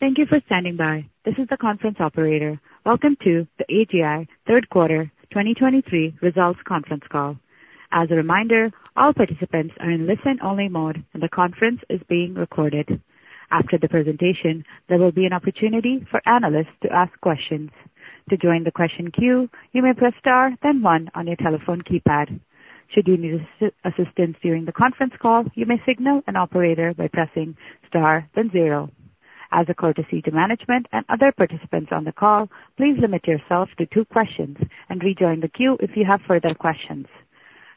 Thank you for standing by. This is the conference operator. Welcome to the AGI Third Quarter 2023 Results Conference Call. As a reminder, all participants are in listen-only mode, and the conference is being recorded. After the presentation, there will be an opportunity for analysts to ask questions. To join the question queue, you may press Star, then one on your telephone keypad. Should you need assistance during the conference call, you may signal an operator by pressing Star, then zero. As a courtesy to management and other participants on the call, please limit yourself to two questions and rejoin the queue if you have further questions.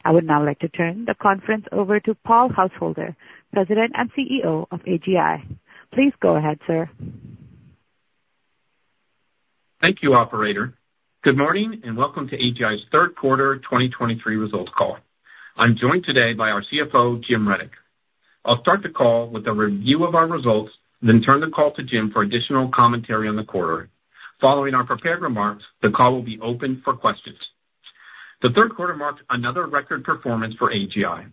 I would now like to turn the conference over to Paul Householder, President and CEO of AGI. Please go ahead, sir. Thank you, operator. Good morning, and welcome to AGI's third quarter 2023 results call. I'm joined today by our CFO, Jim Rudyk. I'll start the call with a review of our results, then turn the call to Jim for additional commentary on the quarter. Following our prepared remarks, the call will be open for questions. The third quarter marked another record performance for AGI.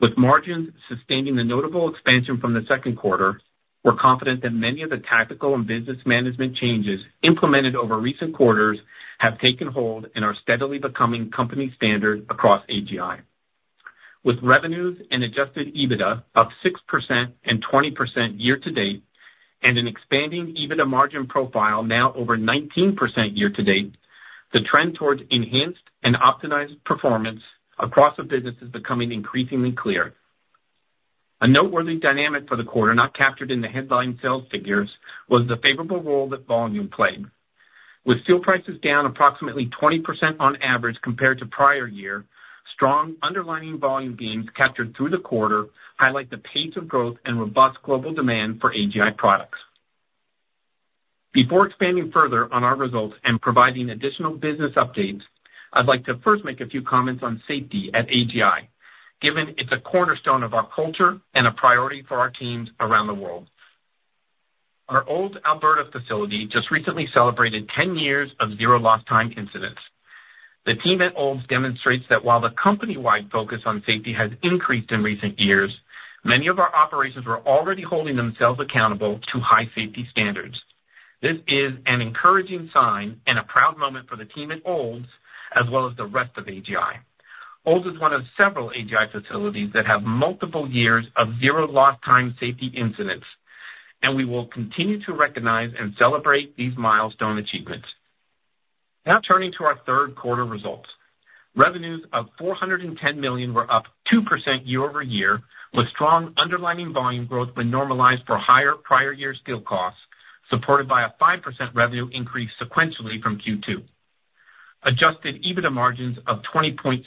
With margins sustaining the notable expansion from the second quarter, we're confident that many of the tactical and business management changes implemented over recent quarters have taken hold and are steadily becoming company standard across AGI. With revenues and Adjusted EBITDA up 6% and 20% year-to-date, and an expanding EBITDA margin profile now over 19% year-to-date, the trend towards enhanced and optimized performance across the business is becoming increasingly clear. A noteworthy dynamic for the quarter, not captured in the headline sales figures, was the favorable role that volume played. With steel prices down approximately 20% on average compared to prior year, strong underlying volume gains captured through the quarter highlight the pace of growth and robust global demand for AGI products. Before expanding further on our results and providing additional business updates, I'd like to first make a few comments on safety at AGI, given it's a cornerstone of our culture and a priority for our teams around the world. Our Olds, Alberta, facility just recently celebrated 10 years of zero lost time incidents. The team at Olds demonstrates that while the company-wide focus on safety has increased in recent years, many of our operations were already holding themselves accountable to high safety standards. This is an encouraging sign and a proud moment for the team at Olds, as well as the rest of AGI. Olds is one of several AGI facilities that have multiple years of zero lost time safety incidents, and we will continue to recognize and celebrate these milestone achievements. Now, turning to our third quarter results. Revenues of 410 million were up 2% year-over-year, with strong underlying volume growth when normalized for higher prior year steel costs, supported by a 5% revenue increase sequentially from Q2. Adjusted EBITDA margins of 20.6%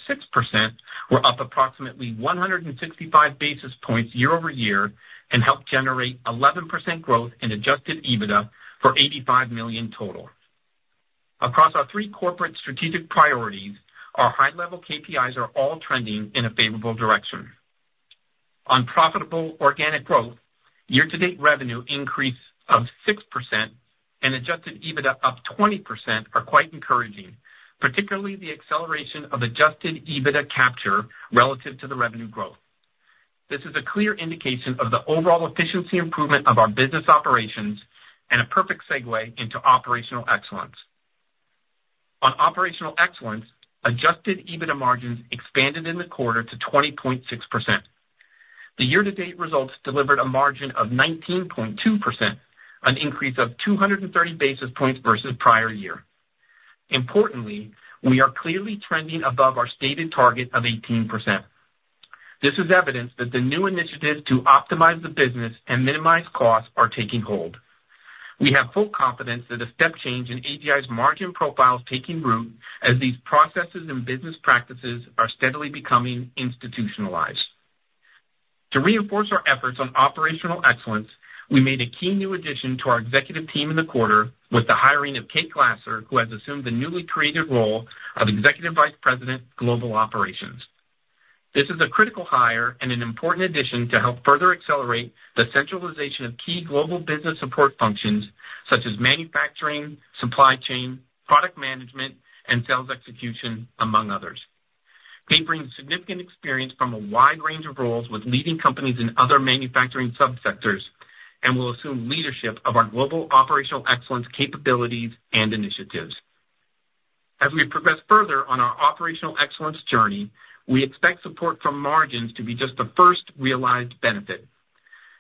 were up approximately 165 basis points year-over-year and helped generate 11% growth in adjusted EBITDA for 85 million total. Across our three corporate strategic priorities, our high-level KPIs are all trending in a favorable direction. On profitable organic growth, year-to-date revenue increase of 6% and Adjusted EBITDA up 20% are quite encouraging, particularly the acceleration of Adjusted EBITDA capture relative to the revenue growth. This is a clear indication of the overall efficiency improvement of our business operations and a perfect segue into Operational Excellence. On Operational Excellence, Adjusted EBITDA margins expanded in the quarter to 20.6%. The year-to-date results delivered a margin of 19.2%, an increase of 230 basis points versus prior year. Importantly, we are clearly trending above our stated target of 18%. This is evidence that the new initiatives to optimize the business and minimize costs are taking hold. We have full confidence that a step change in AGI's margin profile is taking root as these processes and business practices are steadily becoming institutionalized. To reinforce our efforts on operational excellence, we made a key new addition to our executive team in the quarter with the hiring of Kate Glasser, who has assumed the newly created role of Executive Vice President, Global Operations. This is a critical hire and an important addition to help further accelerate the centralization of key global business support functions such as manufacturing, supply chain, product management, and sales execution, among others. Kate brings significant experience from a wide range of roles with leading companies in other manufacturing subsectors and will assume leadership of our global operational excellence capabilities and initiatives. As we progress further on our operational excellence journey, we expect support from margins to be just the first realized benefit.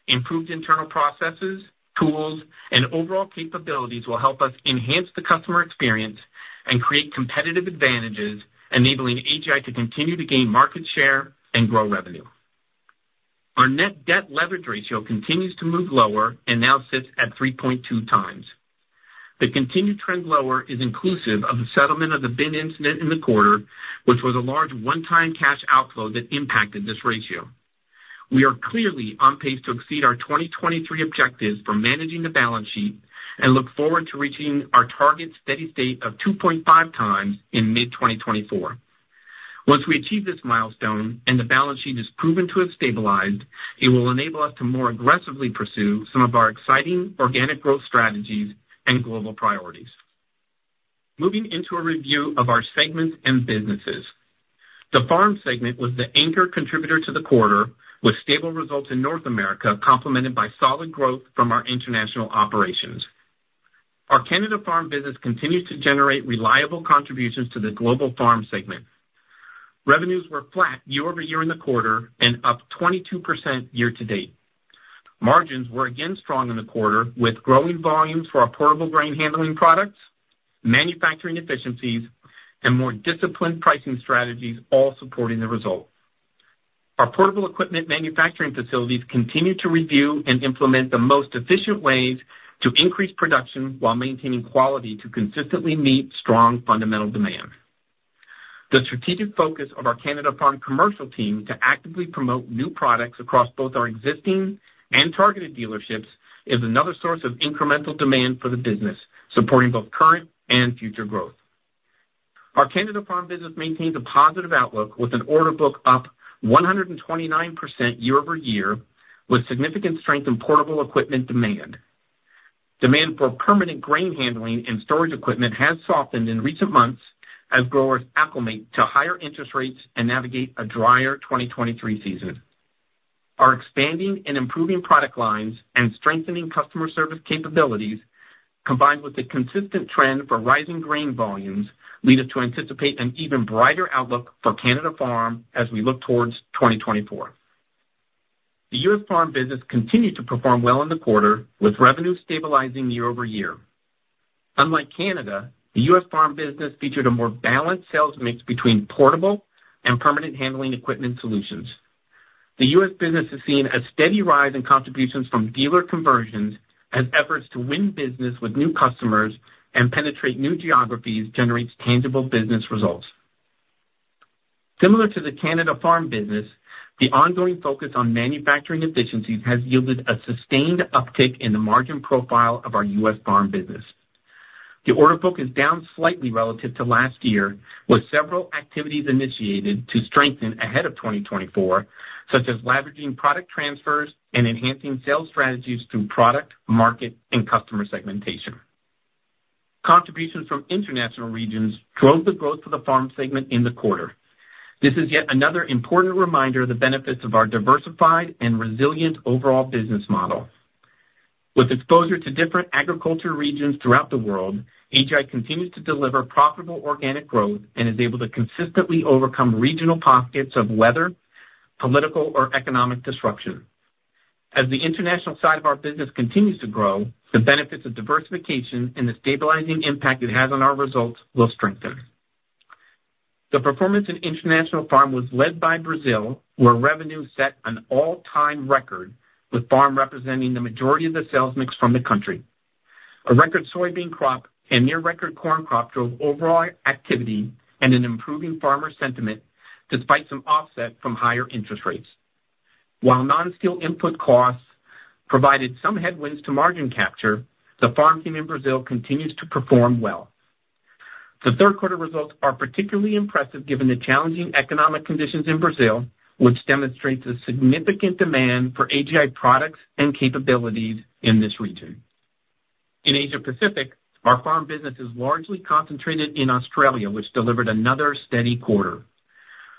Improved internal processes, tools, and overall capabilities will help us enhance the customer experience and create competitive advantages, enabling AGI to continue to gain market share and grow revenue. Our net debt leverage ratio continues to move lower and now sits at 3.2x. The continued trend lower is inclusive of the settlement of the bin incident in the quarter, which was a large one-time cash outflow that impacted this ratio. We are clearly on pace to exceed our 2023 objectives for managing the balance sheet and look forward to reaching our target steady state of 2.5x in mid-2024. Once we achieve this milestone and the balance sheet is proven to have stabilized, it will enable us to more aggressively pursue some of our exciting organic growth strategies and global priorities. Moving into a review of our segments and businesses. The farm segment was the anchor contributor to the quarter, with stable results in North America, complemented by solid growth from our international operations. Our Canada farm business continues to generate reliable contributions to the global farm segment. Revenues were flat year-over-year in the quarter and up 22% year to date. Margins were again strong in the quarter, with growing volumes for our portable grain handling products, manufacturing efficiencies, and more disciplined pricing strategies, all supporting the result. Our portable equipment manufacturing facilities continue to review and implement the most efficient ways to increase production while maintaining quality to consistently meet strong fundamental demand. The strategic focus of our Canada Farm commercial team to actively promote new products across both our existing and targeted dealerships is another source of incremental demand for the business, supporting both current and future growth. Our Canada farm business maintains a positive outlook, with an order book up 129% year-over-year, with significant strength in portable equipment demand. Demand for permanent grain handling and storage equipment has softened in recent months as growers acclimate to higher interest rates and navigate a drier 2023 season. Our expanding and improving product lines and strengthening customer service capabilities, combined with the consistent trend for rising grain volumes, lead us to anticipate an even brighter outlook for Canada Farm as we look towards 2024. The U.S. Farm business continued to perform well in the quarter, with revenue stabilizing year-over-year. Unlike Canada, the U.S. Farm business featured a more balanced sales mix between portable and permanent handling equipment solutions. The U.S. business is seeing a steady rise in contributions from dealer conversions as efforts to win business with new customers and penetrate new geographies generates tangible business results. Similar to the Canada farm business, the ongoing focus on manufacturing efficiencies has yielded a sustained uptick in the margin profile of our U.S. farm business. The order book is down slightly relative to last year, with several activities initiated to strengthen ahead of 2024, such as leveraging product transfers and enhancing sales strategies through product, market, and customer segmentation. Contributions from international regions drove the growth of the farm segment in the quarter. This is yet another important reminder of the benefits of our diversified and resilient overall business model. With exposure to different agriculture regions throughout the world, AGI continues to deliver profitable organic growth and is able to consistently overcome regional pockets of weather, political, or economic disruption. As the international side of our business continues to grow, the benefits of diversification and the stabilizing impact it has on our results will strengthen. The performance in international farm was led by Brazil, where revenue set an all-time record, with farm representing the majority of the sales mix from the country. A record soybean crop and near record corn crop drove overall activity and an improving farmer sentiment, despite some offset from higher interest rates. While non-steel input costs provided some headwinds to margin capture, the farm team in Brazil continues to perform well. The third quarter results are particularly impressive given the challenging economic conditions in Brazil, which demonstrates a significant demand for AGI products and capabilities in this region. In Asia Pacific, our farm business is largely concentrated in Australia, which delivered another steady quarter.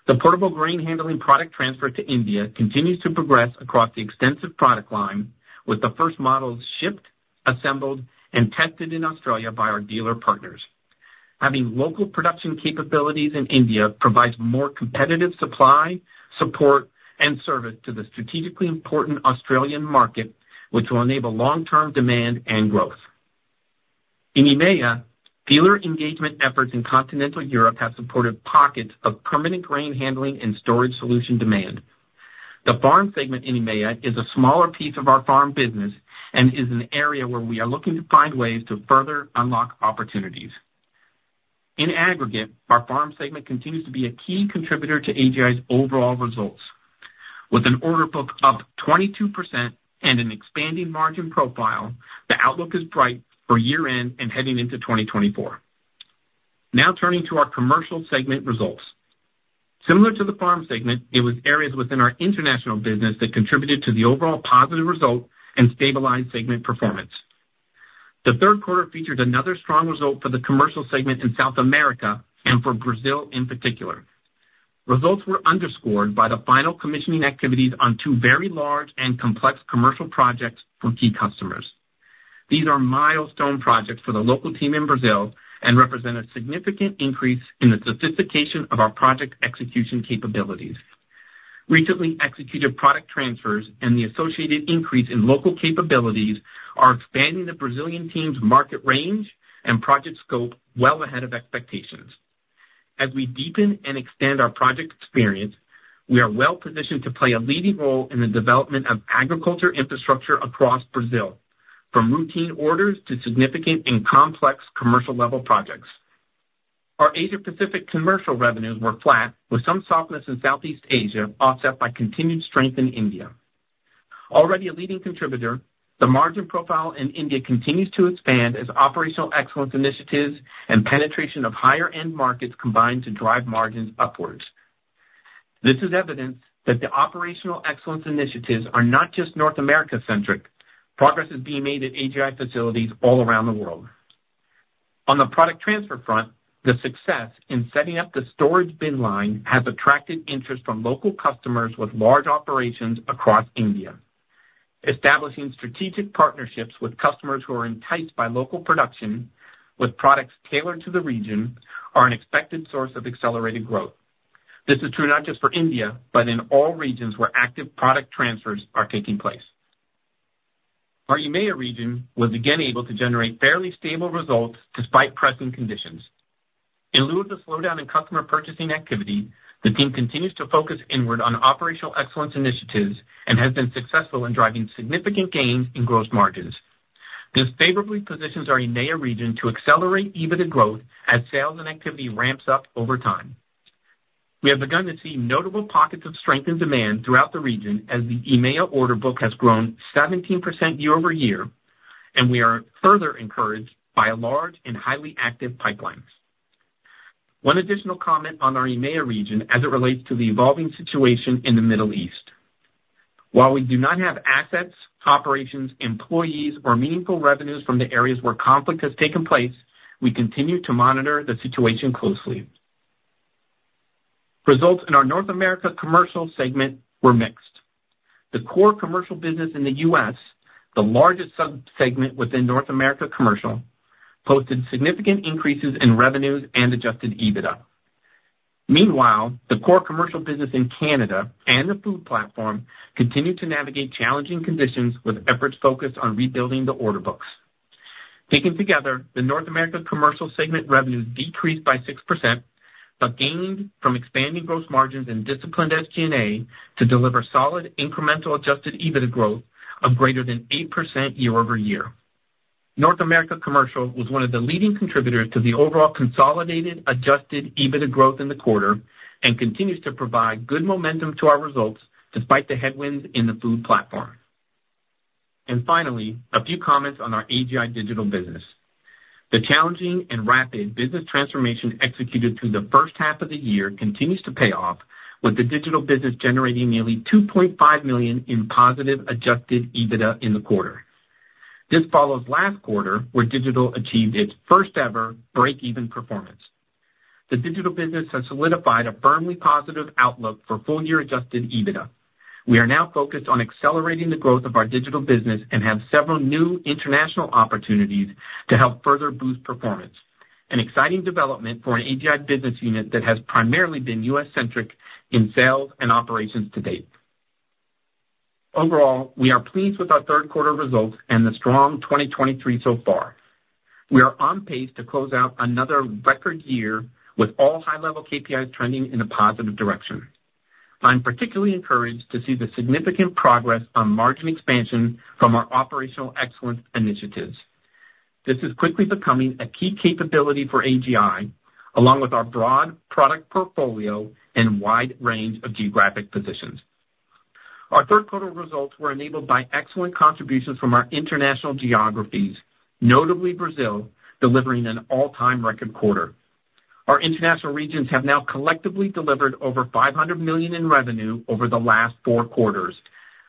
The portable grain handling product transfer to India continues to progress across the extensive product line, with the first models shipped, assembled, and tested in Australia by our dealer partners. Having local production capabilities in India provides more competitive supply, support, and service to the strategically important Australian market, which will enable long-term demand and growth. In EMEA, dealer engagement efforts in continental Europe have supported pockets of permanent grain handling and storage solution demand. The farm segment in EMEA is a smaller piece of our farm business and is an area where we are looking to find ways to further unlock opportunities. In aggregate, our farm segment continues to be a key contributor to AGI's overall results. With an order book up 22% and an expanding margin profile, the outlook is bright for year-end and heading into 2024. Now turning to our commercial segment results. Similar to the farm segment, it was areas within our international business that contributed to the overall positive result and stabilized segment performance. The third quarter featured another strong result for the commercial segment in South America and for Brazil in particular. Results were underscored by the final commissioning activities on two very large and complex commercial projects for key customers. These are milestone projects for the local team in Brazil and represent a significant increase in the sophistication of our project execution capabilities. Recently executed product transfers and the associated increase in local capabilities are expanding the Brazilian team's market range and project scope well ahead of expectations. As we deepen and extend our project experience, we are well positioned to play a leading role in the development of agriculture infrastructure across Brazil, from routine orders to significant and complex commercial-level projects. Our Asia Pacific commercial revenues were flat, with some softness in Southeast Asia, offset by continued strength in India. Already a leading contributor, the margin profile in India continues to expand as operational excellence initiatives and penetration of higher-end markets combine to drive margins upwards.... This is evidence that the operational excellence initiatives are not just North America centric. Progress is being made at AGI facilities all around the world. On the product transfer front, the success in setting up the storage bin line has attracted interest from local customers with large operations across India. Establishing strategic partnerships with customers who are enticed by local production, with products tailored to the region, are an expected source of accelerated growth. This is true not just for India, but in all regions where active product transfers are taking place. Our EMEA region was again able to generate fairly stable results despite pressing conditions. In lieu of the slowdown in customer purchasing activity, the team continues to focus inward on operational excellence initiatives and has been successful in driving significant gains in gross margins. This favorably positions our EMEA region to accelerate EBITDA growth as sales and activity ramps up over time. We have begun to see notable pockets of strength and demand throughout the region as the EMEA order book has grown 17% year-over-year, and we are further encouraged by a large and highly active pipelines. One additional comment on our EMEA region as it relates to the evolving situation in the Middle East. While we do not have assets, operations, employees, or meaningful revenues from the areas where conflict has taken place, we continue to monitor the situation closely. Results in our North America commercial segment were mixed. The core commercial business in the U.S., the largest sub-segment within North America Commercial, posted significant increases in revenues and Adjusted EBITDA. Meanwhile, the core commercial business in Canada and the food platform continued to navigate challenging conditions with efforts focused on rebuilding the order books. Taken together, the North America Commercial segment revenues decreased by 6%, but gained from expanding gross margins and disciplined SG&A to deliver solid incremental Adjusted EBITDA growth of greater than 8% year-over-year. North America Commercial was one of the leading contributors to the overall consolidated Adjusted EBITDA growth in the quarter, and continues to provide good momentum to our results despite the headwinds in the Food platform. And finally, a few comments on our AGI digital business. The challenging and rapid business transformation executed through the first half of the year continues to pay off, with the digital business generating nearly $2.5 million in positive Adjusted EBITDA in the quarter. This follows last quarter, where digital achieved its first ever break-even performance. The digital business has solidified a firmly positive outlook for full year Adjusted EBITDA. We are now focused on accelerating the growth of our digital business and have several new international opportunities to help further boost performance, an exciting development for an AGI business unit that has primarily been U.S.-centric in sales and operations to date. Overall, we are pleased with our third quarter results and the strong 2023 so far. We are on pace to close out another record year with all high-level KPIs trending in a positive direction. I'm particularly encouraged to see the significant progress on margin expansion from our operational excellence initiatives. This is quickly becoming a key capability for AGI, along with our broad product portfolio and wide range of geographic positions. Our third quarter results were enabled by excellent contributions from our international geographies, notably Brazil, delivering an all-time record quarter. Our international regions have now collectively delivered over 500 million in revenue over the last four quarters,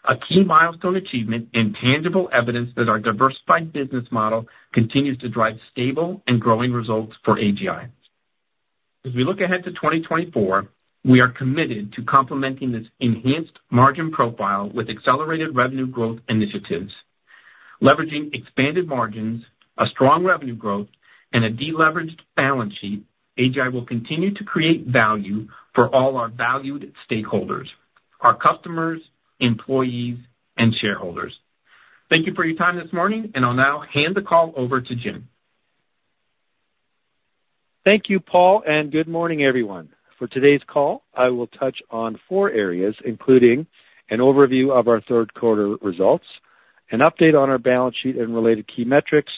a key milestone achievement in tangible evidence that our diversified business model continues to drive stable and growing results for AGI. As we look ahead to 2024, we are committed to complementing this enhanced margin profile with accelerated revenue growth initiatives. Leveraging expanded margins, a strong revenue growth, and a deleveraged balance sheet, AGI will continue to create value for all our valued stakeholders, our customers, employees, and shareholders. Thank you for your time this morning, and I'll now hand the call over to Jim. Thank you, Paul, and good morning, everyone. For today's call, I will touch on four areas, including an overview of our third quarter results, an update on our balance sheet and related key metrics,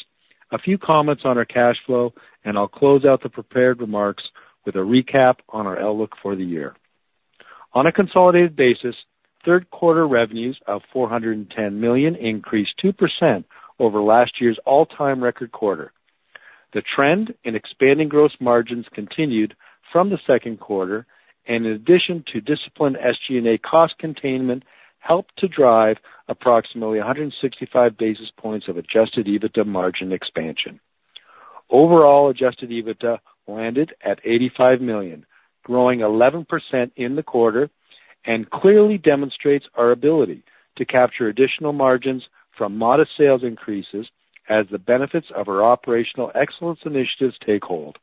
a few comments on our cash flow, and I'll close out the prepared remarks with a recap on our outlook for the year. On a consolidated basis, third quarter revenues of 410 million increased 2% over last year's all-time record quarter. The trend in expanding gross margins continued from the second quarter, and in addition to disciplined SG&A cost containment, helped to drive approximately 165 basis points of adjusted EBITDA margin expansion. Overall, adjusted EBITDA landed at 85 million, growing 11% in the quarter, and clearly demonstrates our ability to capture additional margins from modest sales increases as the benefits of our operational excellence initiatives take hold.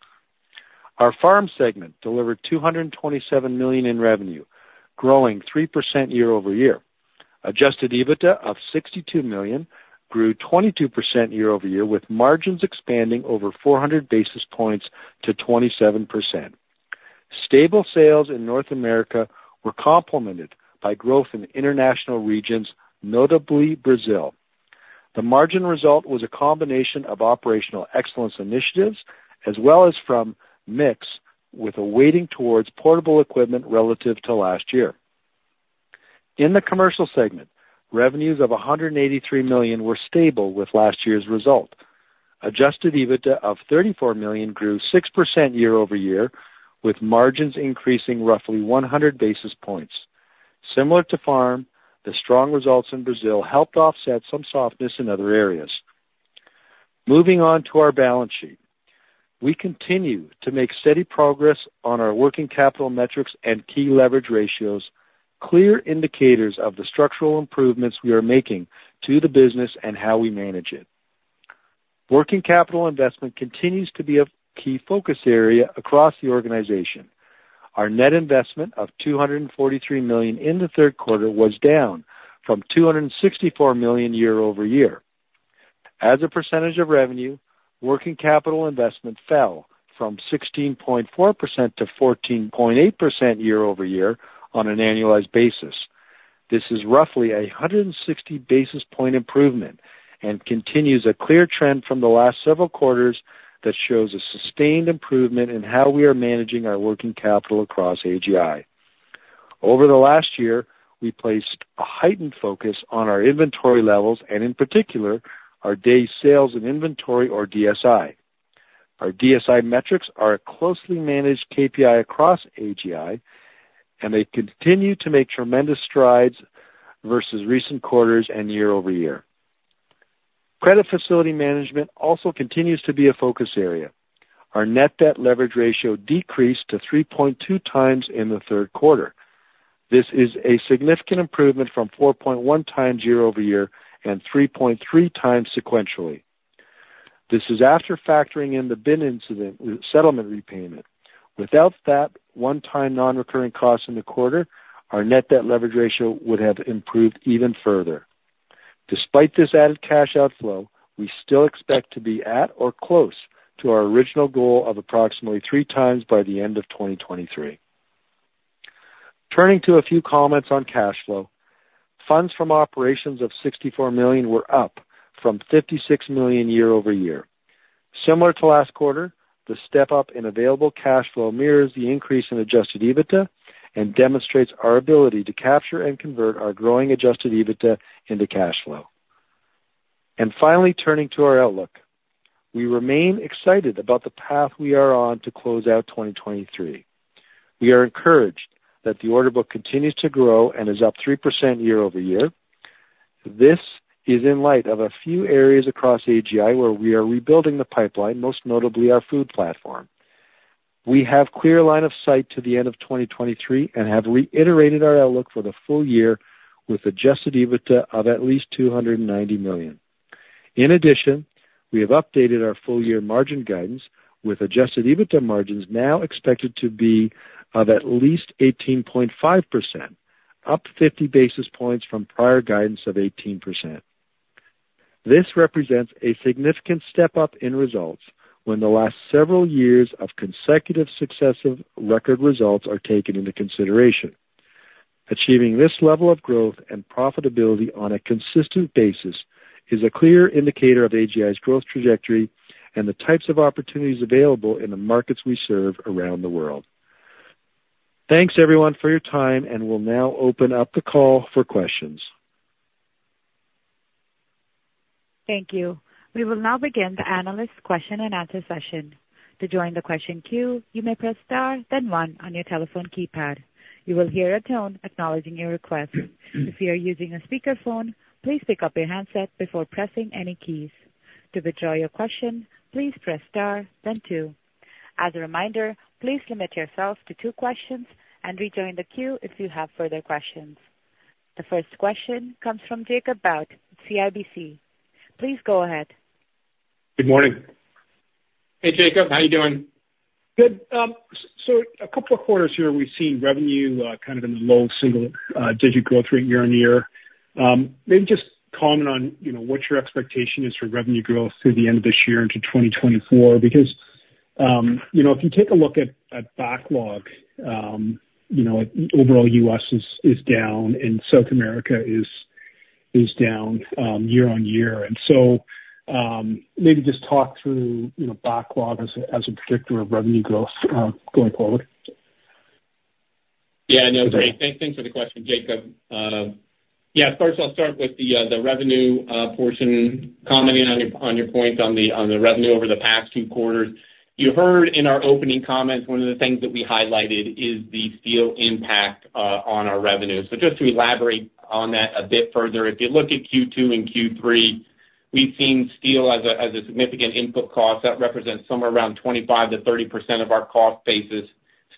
Our farm segment delivered 227 million in revenue, growing 3% year-over-year. Adjusted EBITDA of 62 million grew 22% year-over-year, with margins expanding over 400 basis points to 27%. Stable sales in North America were complemented by growth in international regions, notably Brazil. The margin result was a combination of operational excellence initiatives as well as from mix with a weighting towards portable equipment relative to last year.... In the commercial segment, revenues of CAD 183 million were stable with last year's result. Adjusted EBITDA of CAD 34 million grew 6% year-over-year, with margins increasing roughly 100 basis points. Similar to farm, the strong results in Brazil helped offset some softness in other areas. Moving on to our balance sheet. We continue to make steady progress on our working capital metrics and key leverage ratios, clear indicators of the structural improvements we are making to the business and how we manage it. Working capital investment continues to be a key focus area across the organization. Our net investment of 243 million in the third quarter was down from 264 million year-over-year. As a percentage of revenue, working capital investment fell from 16.4% to 14.8% year-over-year on an annualized basis. This is roughly a 160 basis point improvement and continues a clear trend from the last several quarters that shows a sustained improvement in how we are managing our working capital across AGI. Over the last year, we placed a heightened focus on our inventory levels and in particular, our day sales and inventory, or DSI. Our DSI metrics are a closely managed KPI across AGI, and they continue to make tremendous strides versus recent quarters and year-over-year. Credit facility management also continues to be a focus area. Our net debt leverage ratio decreased to 3.2x in the third quarter. This is a significant improvement from 4.1x year-over-year and 3.3x sequentially. This is after factoring in the bin incident, settlement repayment. Without that one-time non-recurring cost in the quarter, our net debt leverage ratio would have improved even further. Despite this added cash outflow, we still expect to be at or close to our original goal of approximately 3x by the end of 2023. Turning to a few comments on cash flow. Funds from Operations of 64 million were up from 56 million year-over-year. Similar to last quarter, the step up in available cash flow mirrors the increase in Adjusted EBITDA and demonstrates our ability to capture and convert our growing Adjusted EBITDA into cash flow. And finally, turning to our outlook. We remain excited about the path we are on to close out 2023. We are encouraged that the order book continues to grow and is up 3% year-over-year. This is in light of a few areas across AGI, where we are rebuilding the pipeline, most notably our food platform. We have clear line of sight to the end of 2023 and have reiterated our outlook for the full year with Adjusted EBITDA of at least 290 million. In addition, we have updated our full year margin guidance, with Adjusted EBITDA margins now expected to be of at least 18.5%, up 50 basis points from prior guidance of 18%. This represents a significant step up in results when the last several years of consecutive successive record results are taken into consideration. Achieving this level of growth and profitability on a consistent basis is a clear indicator of AGI's growth trajectory and the types of opportunities available in the markets we serve around the world. Thanks, everyone, for your time, and we'll now open up the call for questions. Thank you. We will now begin the analyst question and answer session. To join the question queue, you may press star then one on your telephone keypad. You will hear a tone acknowledging your request. If you are using a speakerphone, please pick up your handset before pressing any keys. To withdraw your question, please press star then two. As a reminder, please limit yourself to two questions and rejoin the queue if you have further questions. The first question comes from Jacob Bout, CIBC. Please go ahead. Good morning. Hey, Jacob. How are you doing? Good. So a couple of quarters here, we've seen revenue, kind of in the low single-digit growth rate year-on-year. Maybe just comment on, you know, what your expectation is for revenue growth through the end of this year into 2024. Because, you know, if you take a look at, at backlog, you know, overall U.S. is, is down and South America is, is down, year on year. And so, maybe just talk through, you know, backlog as, as a predictor of revenue growth, going forward. Yeah, no, great. Thanks for the question, Jacob. Yeah, first I'll start with the revenue portion commenting on your point on the revenue over the past two quarters. You heard in our opening comments, one of the things that we highlighted is the steel impact on our revenue. So just to elaborate on that a bit further, if you look at Q2 and Q3, we've seen steel as a significant input cost that represents somewhere around 25%-30% of our cost basis,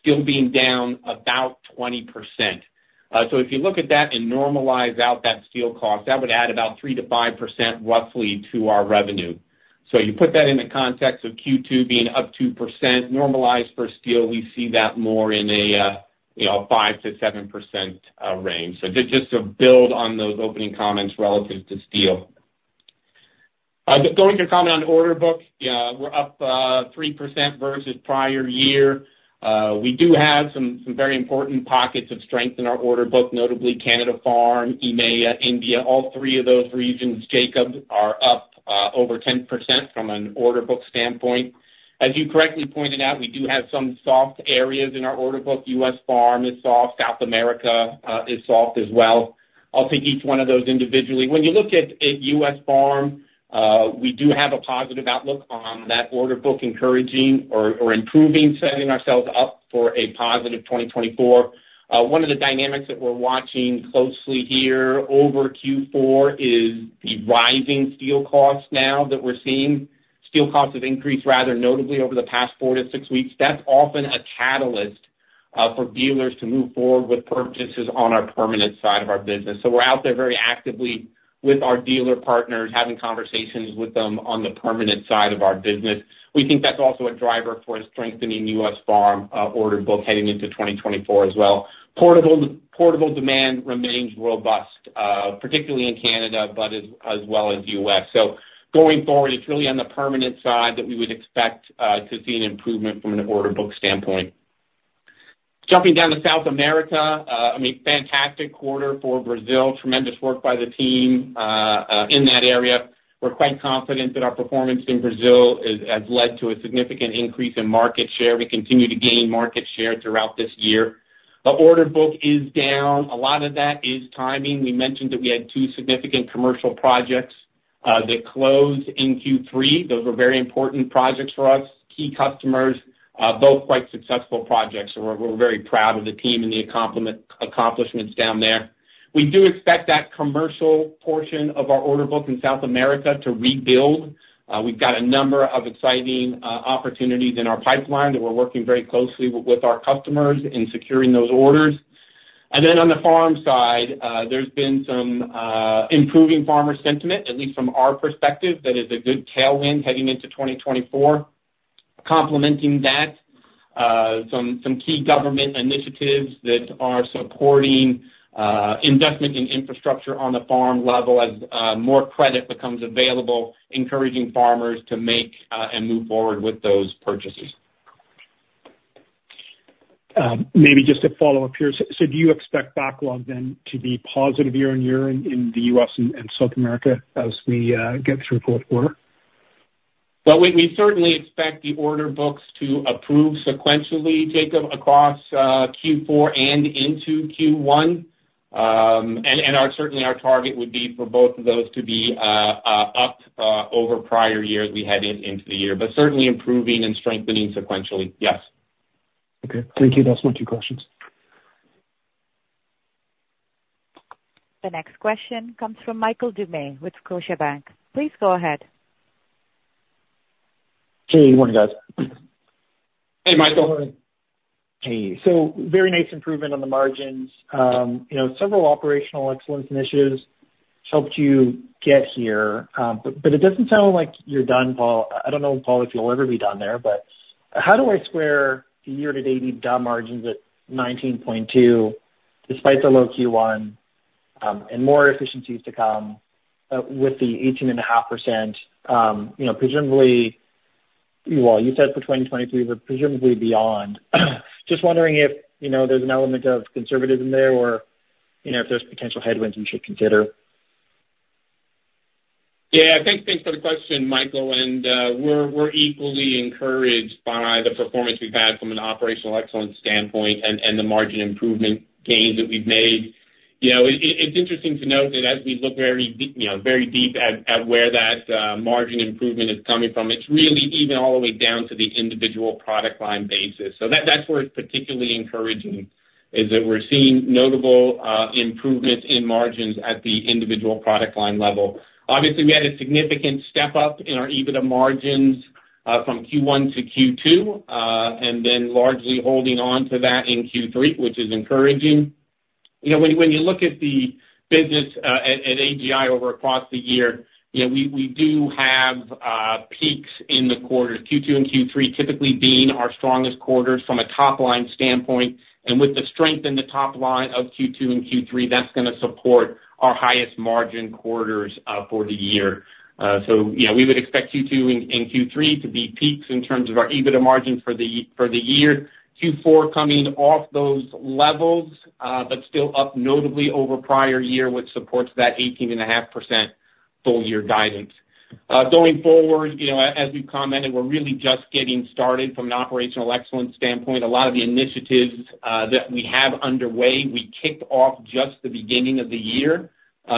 steel being down about 20%. So if you look at that and normalize out that steel cost, that would add about 3%-5% roughly to our revenue. So you put that in the context of Q2 being up 2% normalized for steel, we see that more in a, you know, 5%-7% range. So just to build on those opening comments relative to steel. Going to comment on order book, we're up 3% versus prior year. We do have some very important pockets of strength in our order book, notably Canada Farm, EMEA, India. All three of those regions, Jacob, are up over 10% from an order book standpoint. ...As you correctly pointed out, we do have some soft areas in our order book. U.S. farm is soft, South America is soft as well. I'll take each one of those individually. When you look at U.S. farm, we do have a positive outlook on that order book, encouraging or improving, setting ourselves up for a positive 2024. One of the dynamics that we're watching closely here over Q4 is the rising steel costs now that we're seeing. Steel costs have increased rather notably over the past four-six weeks. That's often a catalyst for dealers to move forward with purchases on our permanent side of our business. So we're out there very actively with our dealer partners, having conversations with them on the permanent side of our business. We think that's also a driver for a strengthening U.S. farm order book heading into 2024 as well. Portable, portable demand remains robust, particularly in Canada, but as well as U.S. So going forward, it's really on the permanent side that we would expect to see an improvement from an order book standpoint. Jumping down to South America, I mean, fantastic quarter for Brazil. Tremendous work by the team in that area. We're quite confident that our performance in Brazil has led to a significant increase in market share. We continue to gain market share throughout this year. The order book is down. A lot of that is timing. We mentioned that we had two significant commercial projects that closed in Q3. Those were very important projects for us, key customers, both quite successful projects, and we're very proud of the team and the accomplishments down there. We do expect that commercial portion of our order book in South America to rebuild. We've got a number of exciting opportunities in our pipeline that we're working very closely with our customers in securing those orders. And then on the farm side, there's been some improving farmer sentiment, at least from our perspective. That is a good tailwind heading into 2024. Complementing that, some key government initiatives that are supporting investment in infrastructure on the farm level as more credit becomes available, encouraging farmers to make and move forward with those purchases. Maybe just a follow-up here. So, so do you expect backlog then to be positive year-on-year in, in the U.S. and, and South America as we get through fourth quarter? Well, we certainly expect the order books to approve sequentially, Jacob, across Q4 and into Q1. And our certainly our target would be for both of those to be up over prior years we head in, into the year, but certainly improving and strengthening sequentially. Yes. Okay, thank you. That's my two questions. The next question comes from Michael Doumet with Scotiabank. Please go ahead. Hey, good morning, guys. Hey, Michael. Hey. So very nice improvement on the margins. You know, several operational excellence initiatives helped you get here, but, but it doesn't sound like you're done, Paul. I don't know, Paul, if you'll ever be done there, but how do I square the year-to-date EBITDA margins at 19.2, despite the low Q1, and more efficiencies to come, with the 18.5%, you know, presumably... Well, you said for 2023, but presumably beyond? Just wondering if, you know, there's an element of conservatism there or, you know, if there's potential headwinds you should consider. Yeah, thanks. Thanks for the question, Michael, and we're equally encouraged by the performance we've had from an Operational Excellence standpoint and the margin improvement gains that we've made. You know, it's interesting to note that as we look very deep, you know, very deep at where that margin improvement is coming from, it's really even all the way down to the individual product line basis. So that's where it's particularly encouraging, is that we're seeing notable improvements in margins at the individual product line level. Obviously, we had a significant step up in our EBITDA margins from Q1 to Q2 and then largely holding on to that in Q3, which is encouraging. You know, when you look at the business at AGI over across the year, you know, we do have peaks in the quarter, Q2 and Q3 typically being our strongest quarters from a top-line standpoint. And with the strength in the top line of Q2 and Q3, that's gonna support our highest margin quarters for the year. So, you know, we would expect Q2 and Q3 to be peaks in terms of our EBITDA margins for the year. Q4 coming off those levels, but still up notably over prior year, which supports that 18.5% full year guidance. Going forward, you know, as we've commented, we're really just getting started from an operational excellence standpoint. A lot of the initiatives that we have underway, we kicked off just the beginning of the year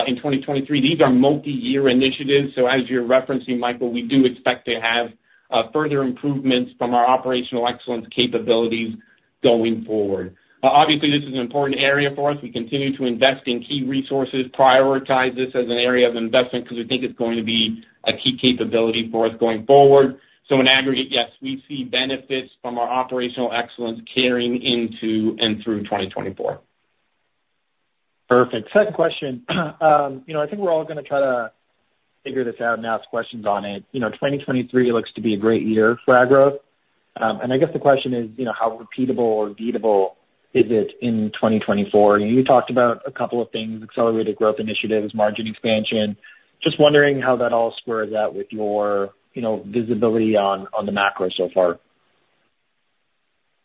in 2023. These are multi-year initiatives, so as you're referencing, Michael, we do expect to have further improvements from our Operational Excellence capabilities going forward. Obviously, this is an important area for us. We continue to invest in key resources, prioritize this as an area of investment, because we think it's going to be a key capability for us going forward. So in aggregate, yes, we see benefits from our Operational Excellence carrying into and through 2024. Perfect. Second question. You know, I think we're all gonna try to figure this out and ask questions on it. You know, 2023 looks to be a great year for Ag Growth International. And I guess the question is, you know, how repeatable or beatable is it in 2024? You talked about a couple of things, accelerated growth initiatives, margin expansion. Just wondering how that all squares out with your, you know, visibility on, on the macro so far....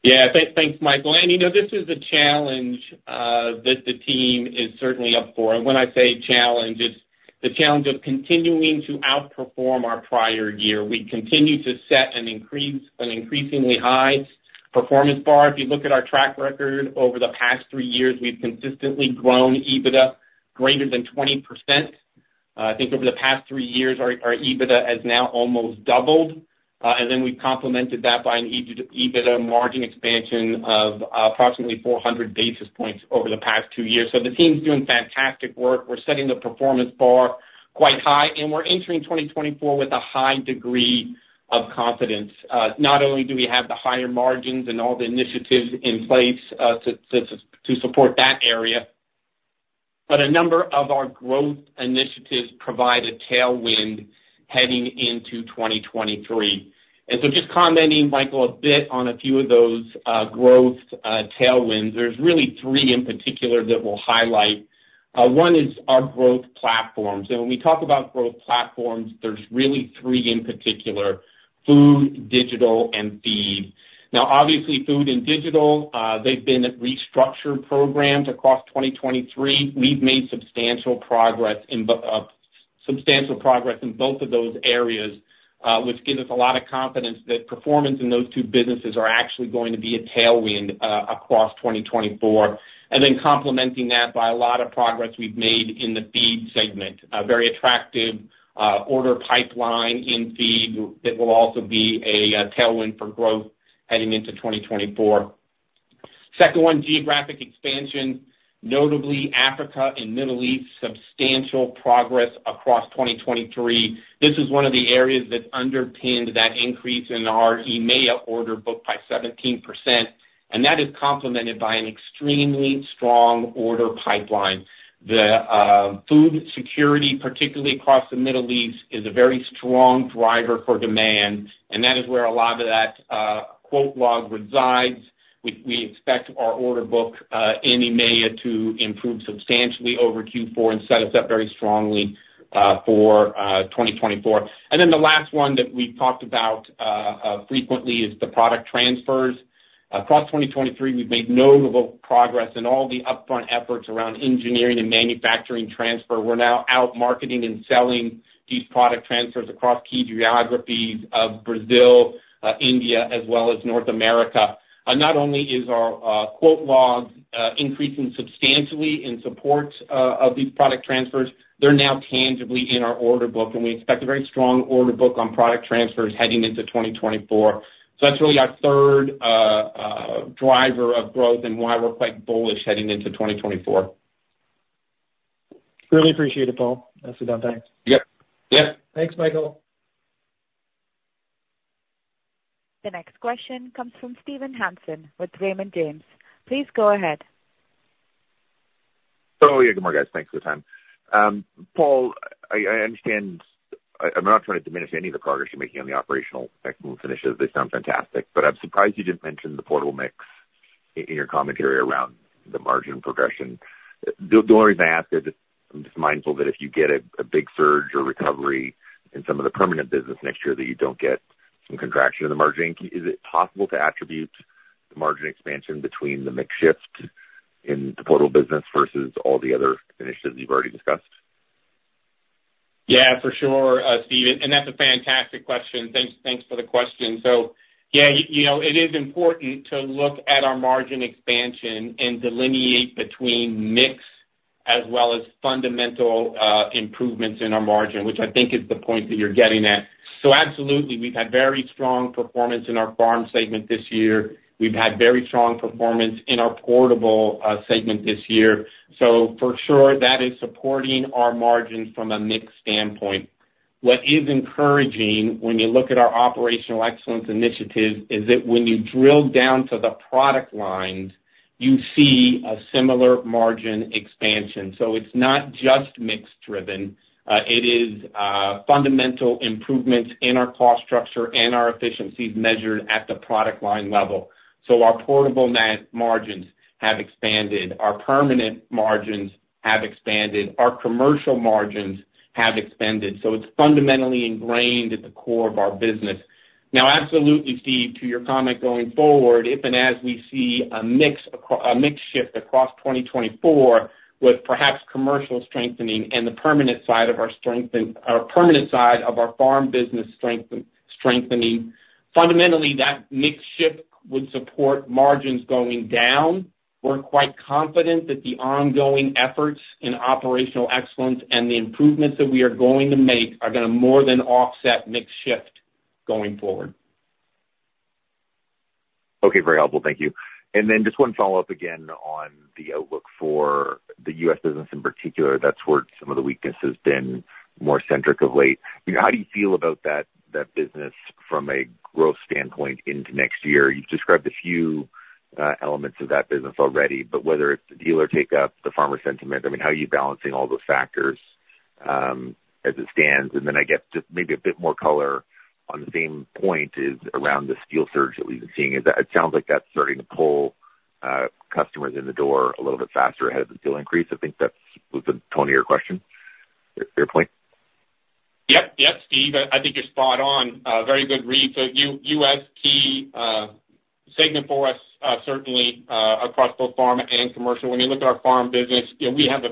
Yeah, thanks, Michael. And, you know, this is a challenge that the team is certainly up for. And when I say challenge, it's the challenge of continuing to outperform our prior year. We continue to set an increasingly high performance bar. If you look at our track record over the past three years, we've consistently grown EBITDA greater than 20%. I think over the past three years, our EBITDA has now almost doubled. And then we've complemented that by an EBITDA margin expansion of approximately 400 basis points over the past two years. So the team's doing fantastic work. We're setting the performance bar quite high, and we're entering 2024 with a high degree of confidence. Not only do we have the higher margins and all the initiatives in place to support that area, but a number of our growth initiatives provide a tailwind heading into 2023. So just commenting, Michael, a bit on a few of those growth tailwinds, there's really three in particular that we'll highlight. One is our growth platforms. And when we talk about growth platforms, there's really three in particular: food, digital, and feed. Now, obviously, food and digital, they've been restructure programs across 2023. We've made substantial progress in both of those areas, which gives us a lot of confidence that performance in those two businesses are actually going to be a tailwind across 2024. And then complementing that by a lot of progress we've made in the feed segment. A very attractive order pipeline in feed that will also be a tailwind for growth heading into 2024. Second one, geographic expansion, notably Africa and Middle East, substantial progress across 2023. This is one of the areas that underpinned that increase in our EMEA order book by 17%, and that is complemented by an extremely strong order pipeline. The food security, particularly across the Middle East, is a very strong driver for demand, and that is where a lot of that quote log resides. We expect our order book in EMEA to improve substantially over Q4 and set us up very strongly for 2024. And then the last one that we've talked about frequently is the product transfers. Across 2023, we've made notable progress in all the upfront efforts around engineering and manufacturing transfer. We're now out marketing and selling these product transfers across key geographies of Brazil, India, as well as North America. And not only is our quote log increasing substantially in support of these product transfers, they're now tangibly in our order book, and we expect a very strong order book on product transfers heading into 2024. So that's really our third driver of growth and why we're quite bullish heading into 2024. Really appreciate it, Paul. Excellent, thanks. Yep. Yep. Thanks, Michael. The next question comes from Steve Hansen with Raymond James. Please go ahead. Oh, yeah, good morning, guys. Thanks for the time. Paul, I understand... I'm not trying to diminish any of the progress you're making on the Operational Excellence initiatives. They sound fantastic, but I'm surprised you didn't mention the portable mix in your commentary around the margin progression. The only reason I ask is, I'm just mindful that if you get a big surge or recovery in some of the permanent business next year, that you don't get some contraction in the margin. Is it possible to attribute the margin expansion between the mix shift in the portable business versus all the other initiatives you've already discussed? Yeah, for sure, Steve, and that's a fantastic question. Thanks, thanks for the question. So, yeah, you know, it is important to look at our margin expansion and delineate between mix as well as fundamental improvements in our margin, which I think is the point that you're getting at. So absolutely, we've had very strong performance in our farm segment this year. We've had very strong performance in our portable segment this year. So for sure, that is supporting our margins from a mix standpoint. What is encouraging when you look at our Operational Excellence initiatives is that when you drill down to the product lines, you see a similar margin expansion. So it's not just mix driven, it is fundamental improvements in our cost structure and our efficiencies measured at the product line level. So our portable margins have expanded, our permanent margins have expanded, our commercial margins have expanded, so it's fundamentally ingrained at the core of our business. Now, absolutely, Steve, to your comment going forward, if and as we see a mix shift across 2024, with perhaps commercial strengthening and the permanent side of our farm business strengthening, fundamentally, that mix shift would support margins going down. We're quite confident that the ongoing efforts in Operational Excellence and the improvements that we are going to make are gonna more than offset mix shift going forward. Okay, very helpful. Thank you. And then just one follow-up again on the outlook for the U.S. business in particular. That's where some of the weakness has been more centric of late. How do you feel about that, that business from a growth standpoint into next year? You've described a few elements of that business already, but whether it's the dealer take up, the farmer sentiment, I mean, how are you balancing all those factors, as it stands? And then I guess, just maybe a bit more color on the same point, is around the steel surge that we've been seeing. Is that-- it sounds like that's starting to pull customers in the door a little bit faster ahead of the steel increase. I think that was the tone of your question. Fair, fair point? ... Yeah, yep, Steve, I think you're spot on. Very good read. So U.S. key segment for us, certainly across both farm and commercial. When you look at our farm business, you know, we have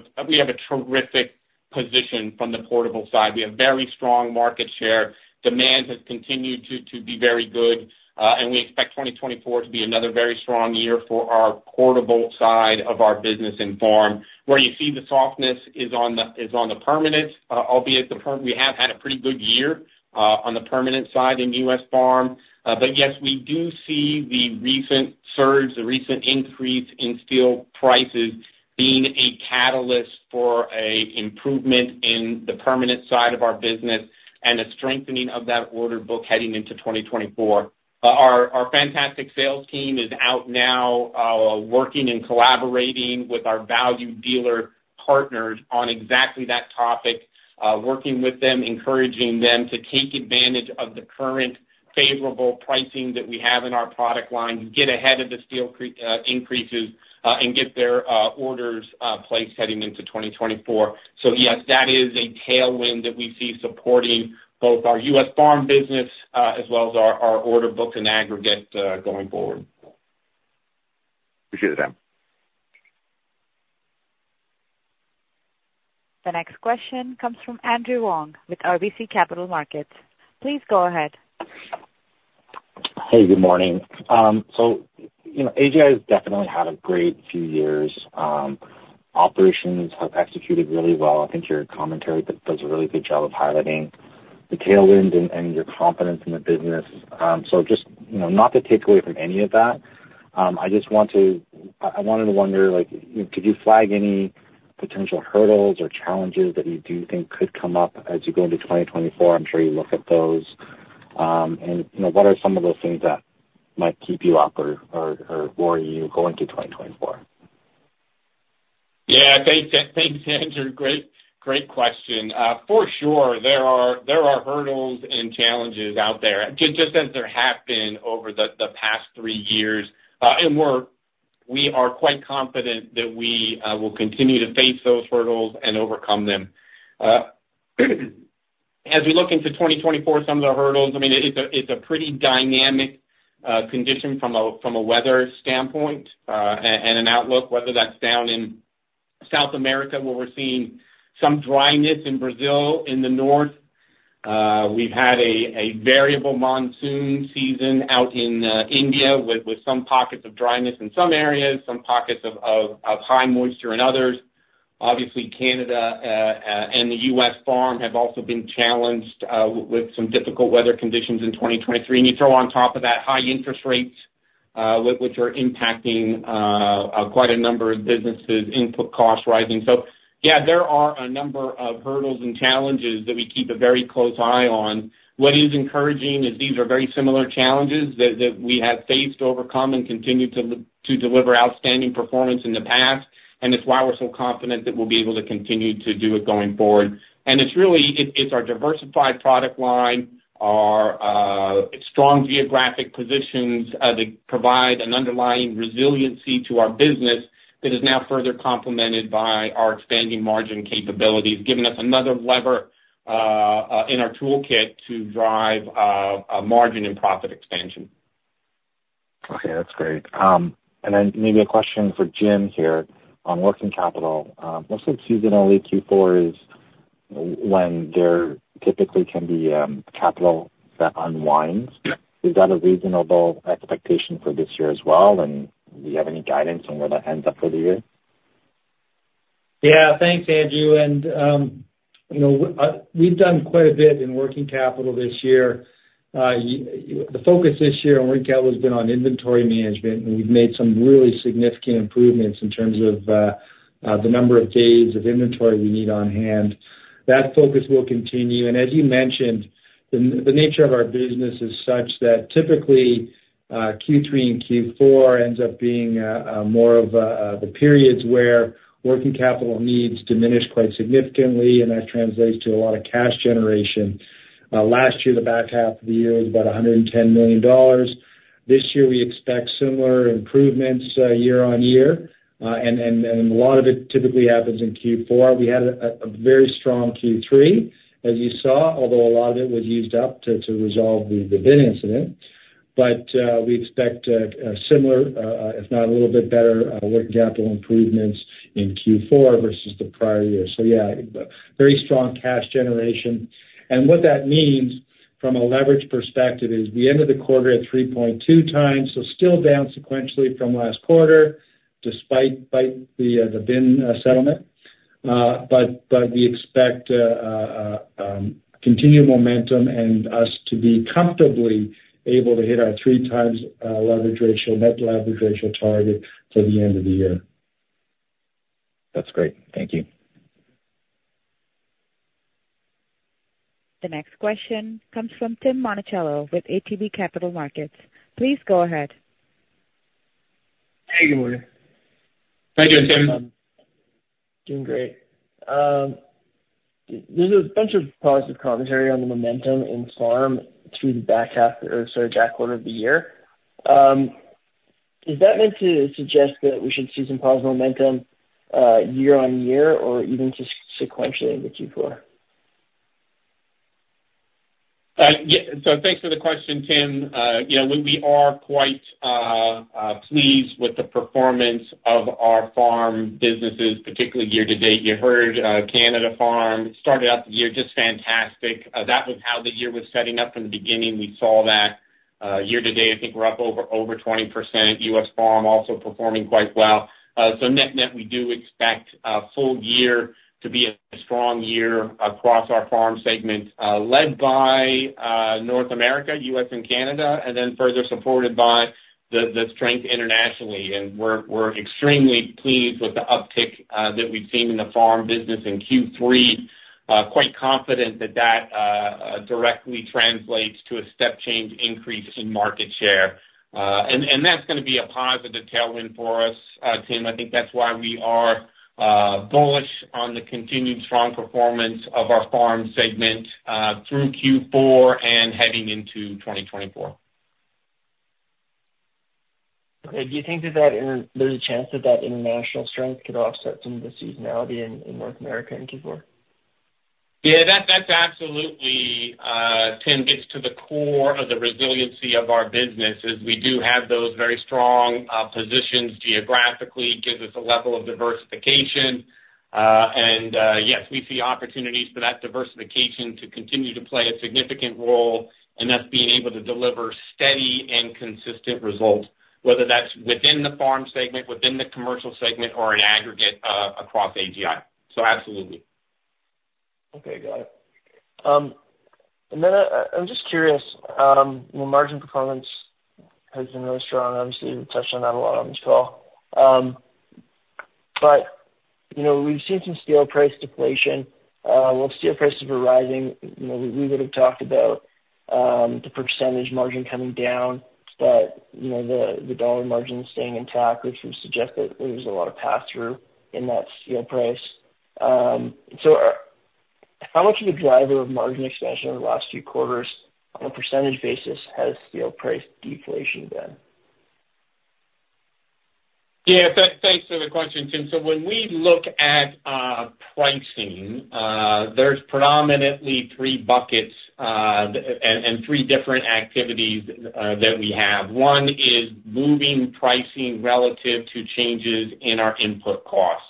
a terrific position from the portable side. We have very strong market share. Demand has continued to be very good, and we expect 2024 to be another very strong year for our portable side of our business in farm. Where you see the softness is on the permanent, albeit we have had a pretty good year on the permanent side in U.S. farm. But yes, we do see the recent surge, the recent increase in steel prices being a catalyst for an improvement in the permanent side of our business and a strengthening of that order book heading into 2024. Our fantastic sales team is out now, working and collaborating with our valued dealer partners on exactly that topic. Working with them, encouraging them to take advantage of the current favorable pricing that we have in our product line, get ahead of the steel increases, and get their orders placed heading into 2024. So yes, that is a tailwind that we see supporting both our U.S. farm business, as well as our order book in aggregate, going forward. Appreciate it, Dan. The next question comes from Andrew Wong with RBC Capital Markets. Please go ahead. Hey, good morning. So, you know, AGI has definitely had a great few years. Operations have executed really well. I think your commentary does a really good job of highlighting the tailwinds and, and your confidence in the business. So just, you know, not to take away from any of that, I just want to... I, I wanted to wonder, like, could you flag any potential hurdles or challenges that you do think could come up as you go into 2024? I'm sure you look at those. And, you know, what are some of those things that might keep you up or, or, or worry you going into 2024? Yeah, thanks. Thanks, Andrew. Great, great question. For sure, there are hurdles and challenges out there, just as there have been over the past three years. And we are quite confident that we will continue to face those hurdles and overcome them. As we look into 2024, some of the hurdles, I mean, it's a pretty dynamic condition from a weather standpoint and an outlook, whether that's down in South America, where we're seeing some dryness in Brazil in the north. We've had a variable monsoon season out in India, with some pockets of dryness in some areas, some pockets of high moisture in others. Obviously, Canada and the U.S. farm have also been challenged with some difficult weather conditions in 2023. And you throw on top of that high interest rates, which are impacting quite a number of businesses, input costs rising. So yeah, there are a number of hurdles and challenges that we keep a very close eye on. What is encouraging is these are very similar challenges that we have faced, overcome, and continued to deliver outstanding performance in the past, and it's why we're so confident that we'll be able to continue to do it going forward. And it's really, it's our diversified product line, our strong geographic positions, that provide an underlying resiliency to our business that is now further complemented by our expanding margin capabilities, giving us another lever in our toolkit to drive a margin and profit expansion. Okay, that's great. And then maybe a question for Jim here on working capital. Mostly seasonally Q4 is when there typically can be capital that unwinds. Is that a reasonable expectation for this year as well, and do you have any guidance on where that ends up for the year? Yeah. Thanks, Andrew, and, you know, we've done quite a bit in working capital this year. The focus this year on working capital has been on inventory management, and we've made some really significant improvements in terms of, the number of days of inventory we need on hand. That focus will continue, and as you mentioned, the nature of our business is such that typically, Q3 and Q4 ends up being, more of, the periods where working capital needs diminish quite significantly, and that translates to a lot of cash generation. Last year, the back half of the year was about $110 million. This year, we expect similar improvements, year-over-year. And, a lot of it typically happens in Q4. We had a very strong Q3, as you saw, although a lot of it was used up to resolve the bin incident. But we expect a similar, if not a little bit better, working capital improvements in Q4 versus the prior year. So yeah, very strong cash generation. And what that means, from a leverage perspective, is we ended the quarter at 3.2x, so still down sequentially from last quarter, despite the bin settlement. But we expect continued momentum and us to be comfortably able to hit our 3x leverage ratio, net leverage ratio target for the end of the year. That's great. Thank you. The next question comes from Tim Monachello with ATB Capital Markets. Please go ahead. Hey, good morning. Thank you, Tim. Doing great. There's a bunch of positive commentary on the momentum in farm through the back half, or sorry, back quarter of the year. Is that meant to suggest that we should see some positive momentum, year on year or even just sequentially in the Q4? Yeah, so thanks for the question, Tim. You know, we are quite pleased with the performance of our farm businesses, particularly year to date. You heard Canada Farm started out the year just fantastic. That was how the year was setting up from the beginning. We saw that year to date, I think we're up over 20%. U.S. Farm also performing quite well. So net-net, we do expect full year to be a strong year across our farm segment, led by North America, U.S. and Canada, and then further supported by the strength internationally. And we're extremely pleased with the uptick that we've seen in the farm business in Q3. Quite confident that that directly translates to a step change increase in market share. And that's gonna be a positive tailwind for us, Tim. I think that's why we are bullish on the continued strong performance of our farm segment through Q4 and heading into 2024. Okay. Do you think that there's a chance that international strength could offset some of the seasonality in North America in Q4? Yeah, that, that's absolutely, Tim, gets to the core of the resiliency of our business, is we do have those very strong positions geographically, gives us a level of diversification. And, yes, we see opportunities for that diversification to continue to play a significant role, and that's being able to deliver steady and consistent results, whether that's within the farm segment, within the commercial segment, or in aggregate, across AGI. So absolutely. Okay, got it. And then, I'm just curious, you know, margin performance has been really strong. Obviously, you touched on that a lot on this call. But, you know, we've seen some steel price deflation. While steel prices were rising, you know, we would have talked about the percentage margin coming down, but, you know, the dollar margin staying intact, which would suggest that there's a lot of pass-through in that steel price. So, how much of a driver of margin expansion over the last few quarters, on a percentage basis, has steel price deflation been? Yeah, thanks for the question, Tim. So when we look at pricing, there's predominantly three buckets and three different activities that we have. One is moving pricing relative to changes in our input costs.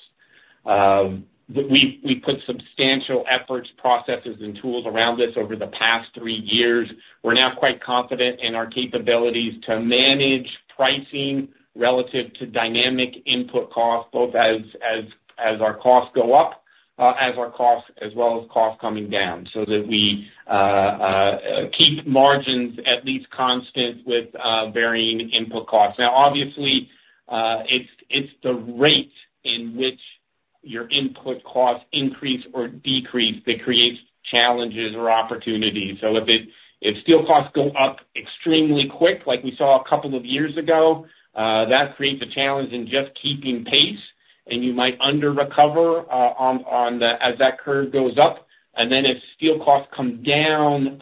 We put substantial efforts, processes, and tools around this over the past three years. We're now quite confident in our capabilities to manage pricing relative to dynamic input costs, both as our costs go up, as well as costs coming down, so that we keep margins at least constant with varying input costs. Now, obviously, it's the rate in which your input costs increase or decrease that creates challenges or opportunities. So if steel costs go up extremely quick, like we saw a couple of years ago, that creates a challenge in just keeping pace, and you might under recover on the as that curve goes up. And then if steel costs come down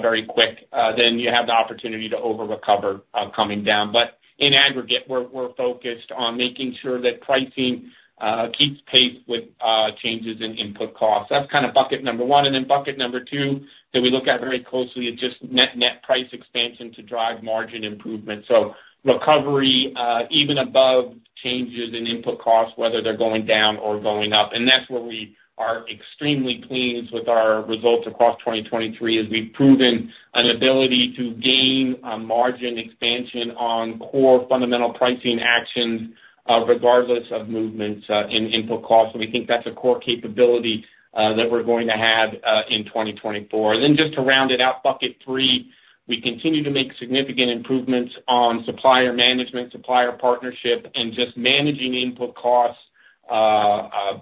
very quick, then you have the opportunity to over-recover coming down. But in aggregate, we're focused on making sure that pricing keeps pace with changes in input costs. That's kind of bucket number one, and then bucket number two that we look at very closely is just net price expansion to drive margin improvement. So recovery even above changes in input costs, whether they're going down or going up. That's where we are extremely pleased with our results across 2023, is we've proven an ability to gain a margin expansion on core fundamental pricing actions, regardless of movements in input costs. So we think that's a core capability that we're going to have in 2024. And then just to round it out, bucket three, we continue to make significant improvements on supplier management, supplier partnership, and just managing input costs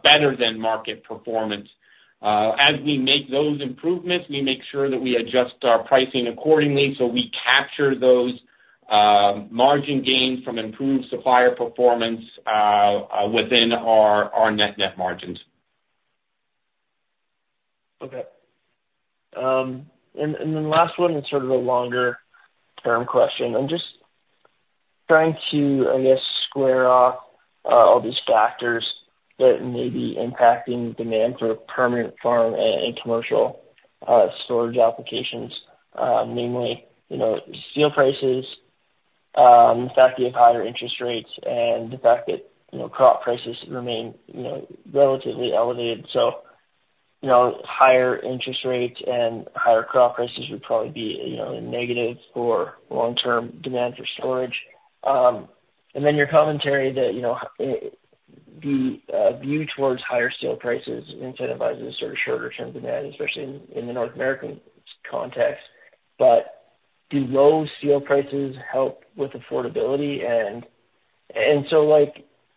better than market performance. As we make those improvements, we make sure that we adjust our pricing accordingly, so we capture those margin gains from improved supplier performance within our net-net margins. Okay. And then last one, it's sort of a longer term question. I'm just trying to, I guess, square off all these factors that may be impacting demand for permanent farm and commercial storage applications. Namely, you know, steel prices, the fact you have higher interest rates and the fact that, you know, crop prices remain, you know, relatively elevated. So, you know, higher interest rates and higher crop prices would probably be, you know, a negative for long-term demand for storage. And then your commentary that, you know, the view towards higher steel prices incentivizes sort of shorter term demand, especially in the North American context. But do low steel prices help with affordability? So, like,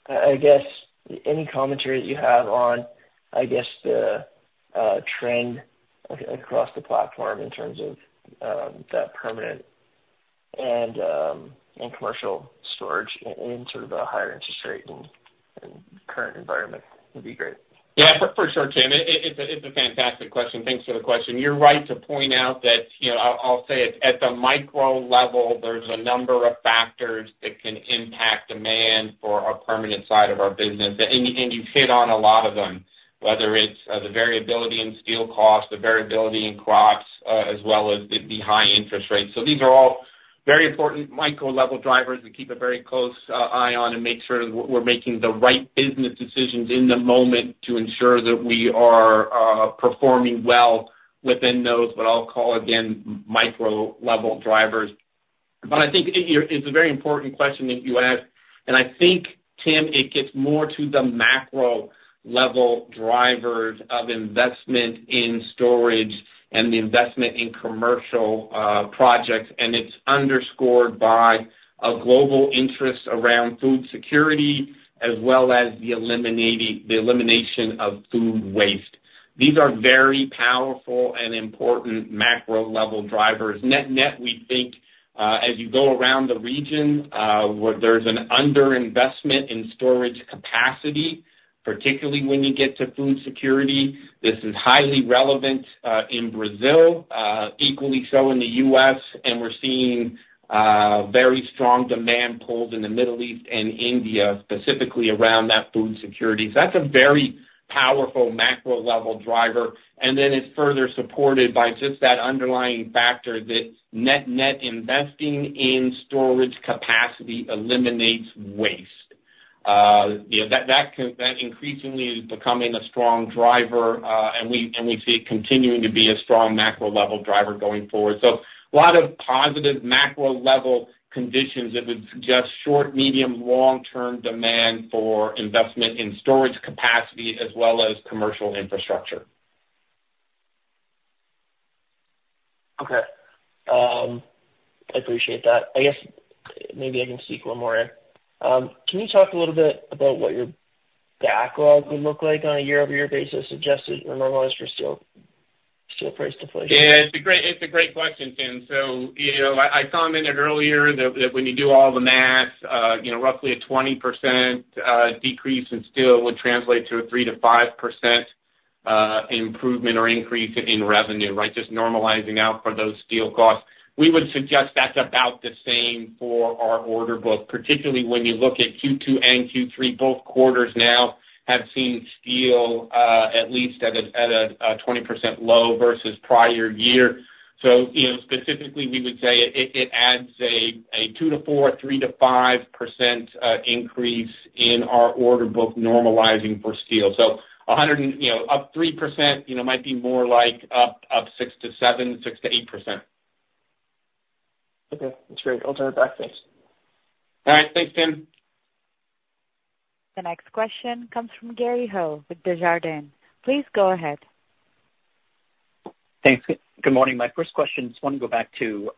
I guess any commentary that you have on, I guess, the trend across the platform in terms of that permanent and and commercial storage in sort of a higher interest rate environment? Current environment would be great. Yeah, for sure, Tim. It's a fantastic question. Thanks for the question. You're right to point out that, you know, I'll say it, at the micro level, there's a number of factors that can impact demand for our permanent side of our business. And you've hit on a lot of them, whether it's the variability in steel costs, the variability in crops, as well as the high interest rates. So these are all very important micro level drivers that keep a very close eye on and make sure we're making the right business decisions in the moment to ensure that we are performing well within those, what I'll call again, micro level drivers. But I think it's a very important question that you ask, and I think, Tim, it gets more to the macro level drivers of investment in storage and the investment in commercial projects. And it's underscored by a global interest around food security, as well as the elimination of food waste. These are very powerful and important macro level drivers. Net-net, we think, as you go around the region, where there's an underinvestment in storage capacity, particularly when you get to food security, this is highly relevant, in Brazil, equally so in the U.S., and we're seeing, very strong demand pulls in the Middle East and India, specifically around that food security. So that's a very powerful macro level driver, and then it's further supported by just that underlying factor that net-net investing in storage capacity eliminates waste. You know, that increasingly is becoming a strong driver, and we see it continuing to be a strong macro level driver going forward. So a lot of positive macro level conditions that would suggest short, medium, long-term demand for investment in storage capacity, as well as commercial infrastructure. Okay. I appreciate that. I guess maybe I can sneak one more in. Can you talk a little bit about what your backlog would look like on a year-over-year basis, adjusted or normalized for steel, steel price deflation? Yeah, it's a great, it's a great question, Tim. So, you know, I commented earlier that when you do all the math, you know, roughly a 20% decrease in steel would translate to a 3%-5% improvement or increase in revenue, right? Just normalizing out for those steel costs. We would suggest that's about the same for our order book, particularly when you look at Q2 and Q3, both quarters now have seen steel at least at a 20% low versus prior year. So, you know, specifically we would say it adds a 2%-4%, 3%-5% increase in our order book normalizing for steel. So 100 and, you know, up 3%, you know, might be more like up 6%-7%, 6%-8%. Okay, that's great. I'll turn it back. Thanks. All right. Thanks, Tim. The next question comes from Gary Ho with Desjardins. Please go ahead. Thanks. Good morning. My first question, just want to go back to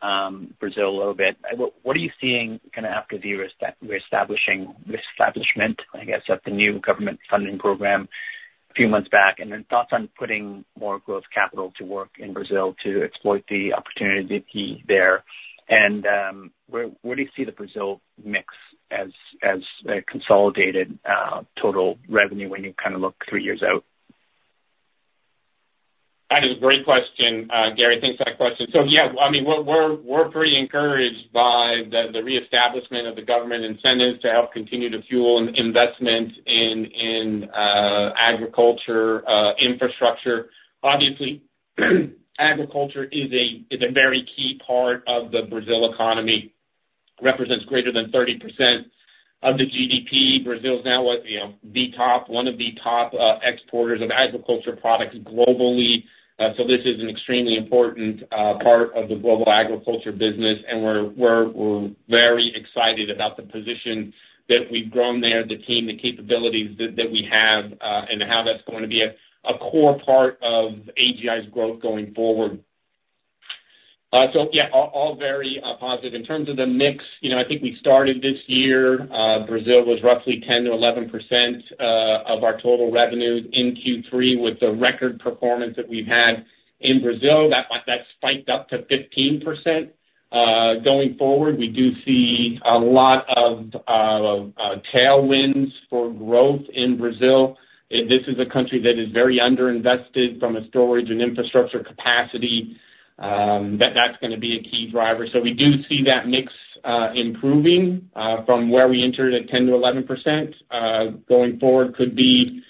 Brazil a little bit. What are you seeing kind of after the reestablishment, I guess, of the new government funding program a few months back, and then thoughts on putting more growth capital to work in Brazil to exploit the opportunity there? And where do you see the Brazil mix as consolidated total revenue when you kind of look three years out? That is a great question, Gary. Thanks for that question. So yeah, I mean, we're pretty encouraged by the reestablishment of the government incentives to help continue to fuel investment in agriculture infrastructure. Obviously, agriculture is a very key part of the Brazil economy, represents greater than 30% of the GDP. Brazil is now what? You know, the top, one of the top, exporters of agriculture products globally. So this is an extremely important part of the global agriculture business, and we're very excited about the position that we've grown there, the team, the capabilities that we have, and how that's going to be a core part of AGI's growth going forward. So yeah, all very positive. In terms of the mix, you know, I think we started this year, Brazil was roughly 10%-11% of our total revenues in Q3. With the record performance that we've had in Brazil, that spiked up to 15%. Going forward, we do see a lot of tailwinds for growth in Brazil. This is a country that is very underinvested from a storage and infrastructure capacity, that's gonna be a key driver. So we do see that mix improving from where we entered at 10%-11%. Going forward could be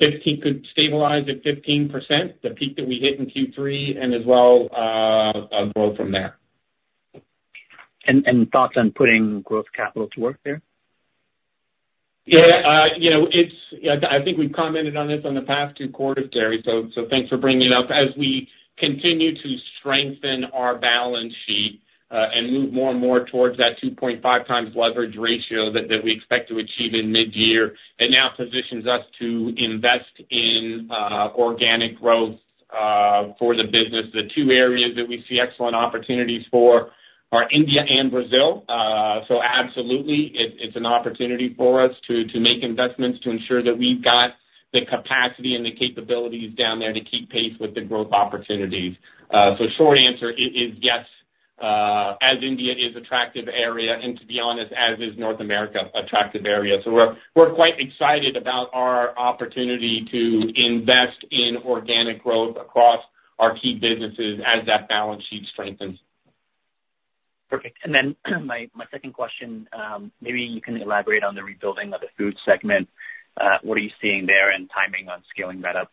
fifteen, could stabilize at 15%, the peak that we hit in Q3 and as well, grow from there. Thoughts on putting growth capital to work there? Yeah, you know, it's I think we've commented on this on the past two quarters, Gary, so thanks for bringing it up. As we continue to strengthen our balance sheet, and move more and more towards that 2.5x leverage ratio that we expect to achieve in mid-year, it now positions us to invest in organic growth for the business. The two areas that we see excellent opportunities for are India and Brazil. So absolutely, it's an opportunity for us to make investments to ensure that we've got the capacity and the capabilities down there to keep pace with the growth opportunities. So short answer is yes, as India is attractive area, and to be honest, as is North America, attractive area. We're quite excited about our opportunity to invest in organic growth across our key businesses as that balance sheet strengthens. Perfect. And then my, my second question, maybe you can elaborate on the rebuilding of the food segment. What are you seeing there, and timing on scaling that up?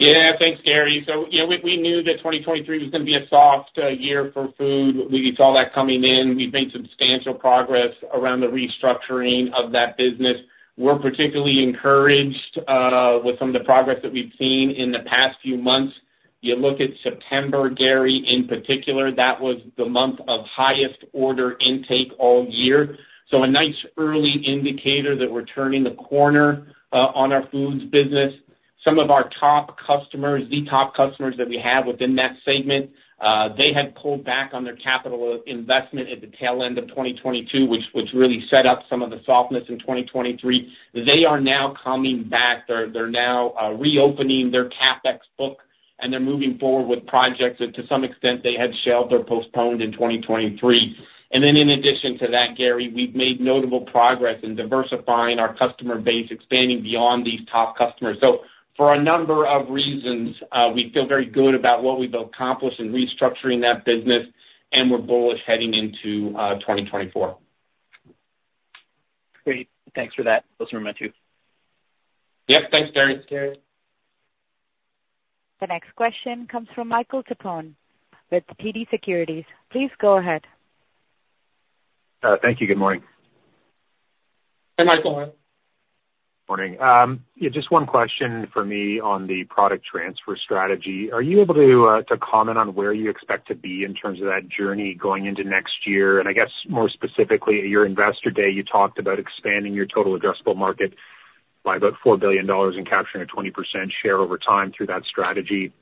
Yeah, thanks, Gary. So, you know, we knew that 2023 was gonna be a soft year for food. We saw that coming in. We've made substantial progress around the restructuring of that business. We're particularly encouraged with some of the progress that we've seen in the past few months. You look at September, Gary, in particular, that was the month of highest order intake all year. So a nice early indicator that we're turning the corner on our foods business. Some of our top customers, the top customers that we have within that segment, they had pulled back on their capital investment at the tail end of 2022, which really set up some of the softness in 2023. They are now coming back. They're now reopening their CapEx book, and they're moving forward with projects that, to some extent, they had shelved or postponed in 2023. And then in addition to that, Gary, we've made notable progress in diversifying our customer base, expanding beyond these top customers. So for a number of reasons, we feel very good about what we've accomplished in restructuring that business, and we're bullish heading into 2024. Great. Thanks for that. Those are my two. Yep. Thanks, Gary. The next question comes from Michael Tupholme with TD Securities. Please go ahead. Thank you. Good morning. Hey, Michael. Morning. Yeah, just one question for me on the product transfer strategy. Are you able to to comment on where you expect to be in terms of that journey going into next year? And I guess more specifically, at your Investor Day, you talked about expanding your total addressable market by about $4 billion and capturing a 20% share over time through that strategy.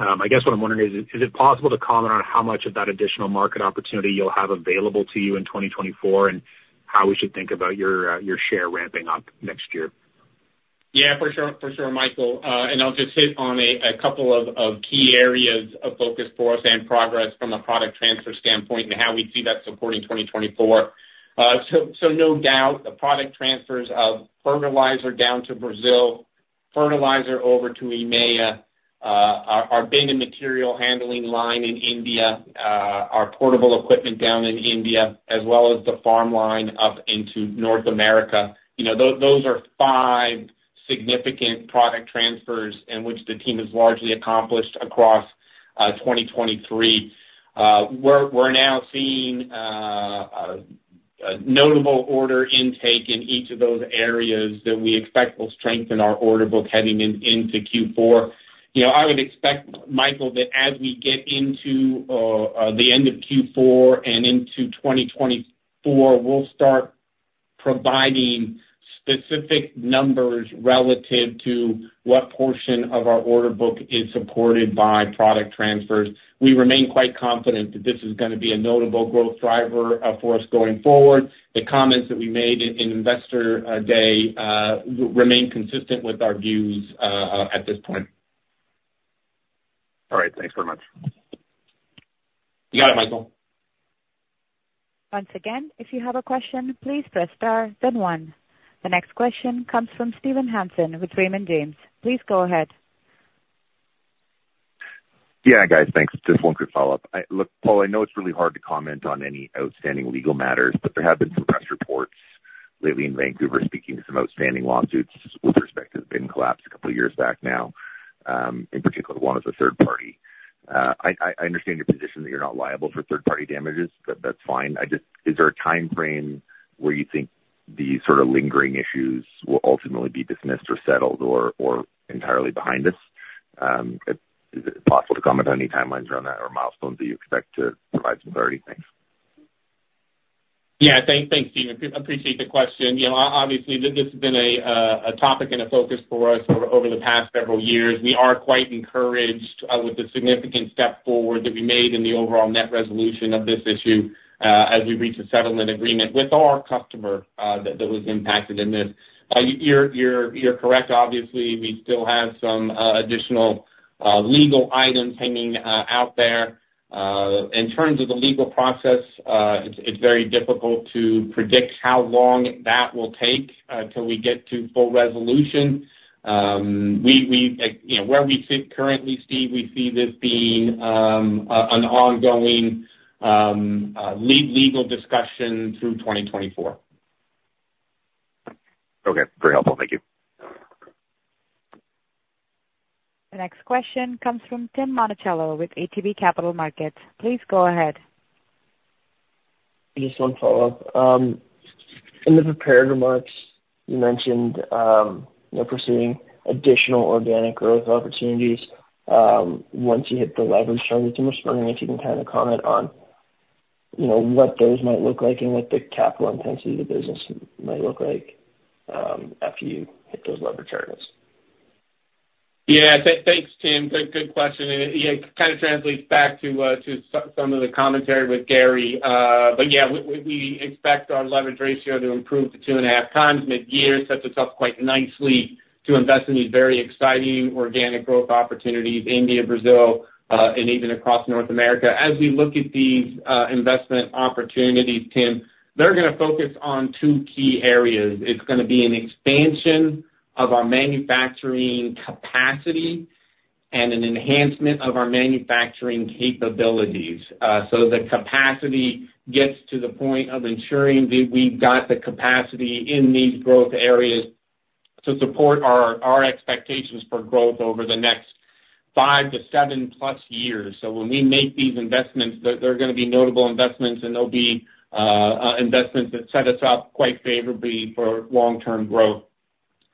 I guess what I'm wondering is, is it possible to comment on how much of that additional market opportunity you'll have available to you in 2024, and how we should think about your your share ramping up next year? Yeah, for sure, for sure, Michael. And I'll just hit on a couple of key areas of focus for us and progress from a product transfer standpoint and how we see that supporting 2024. So no doubt, the product transfers of fertilizer down to Brazil, fertilizer over to EMEA, our bin and material handling line in India, our portable equipment down in India, as well as the farm line up into North America, you know, those are five significant product transfers in which the team has largely accomplished across 2023. We're now seeing a notable order intake in each of those areas that we expect will strengthen our order book heading into Q4. You know, I would expect, Michael, that as we get into the end of Q4 and into 2024, we'll start providing specific numbers relative to what portion of our order book is supported by product transfers. We remain quite confident that this is gonna be a notable growth driver for us going forward. The comments that we made in Investor Day remain consistent with our views at this point. All right. Thanks very much. You got it, Michael. Once again, if you have a question, please press star then one. The next question comes from Steve Hansen with Raymond James. Please go ahead. Yeah, guys, thanks. Just one quick follow-up. Look, Paul, I know it's really hard to comment on any outstanding legal matters, but there have been some press reports lately in Vancouver speaking to some outstanding lawsuits with respect to the bin collapse a couple of years back now, in particular, one of the third party. I understand your position that you're not liable for third party damages. That's fine. Is there a timeframe where you think these sort of lingering issues will ultimately be dismissed or settled or, or entirely behind us? Is it possible to comment on any timelines around that or milestones that you expect to provide some clarity? Thanks. Yeah. Thanks, Stephen. Appreciate the question. You know, obviously, this has been a topic and a focus for us over the past several years. We are quite encouraged with the significant step forward that we made in the overall net resolution of this issue as we reached a settlement agreement with our customer that was impacted in this. You're correct. Obviously, we still have some additional legal items hanging out there. In terms of the legal process, it's very difficult to predict how long that will take till we get to full resolution. You know, where we sit currently, Steve, we see this being an ongoing legal discussion through 2024. Okay. Very helpful. Thank you. The next question comes from Tim Monachello with ATB Capital Markets. Please go ahead. Just one follow-up. In the prepared remarks, you mentioned, you're pursuing additional organic growth opportunities, once you hit the leverage targets. I'm just wondering if you can kind of comment on, you know, what those might look like and what the capital intensity of the business might look like, after you hit those leverage targets? Yeah. Thanks, Tim. Good question, and it kind of translates back to some of the commentary with Gary. But yeah, we expect our leverage ratio to improve to 2.5x mid-year, sets us up quite nicely to invest in these very exciting organic growth opportunities, India, Brazil, and even across North America. As we look at these investment opportunities, Tim, they're gonna focus on two key areas. It's gonna be an expansion of our manufacturing capacity and an enhancement of our manufacturing capabilities. So the capacity gets to the point of ensuring that we've got the capacity in these growth areas to support our expectations for growth over the next 5-7+ years. So when we make these investments, they're gonna be notable investments, and they'll be investments that set us up quite favorably for long-term growth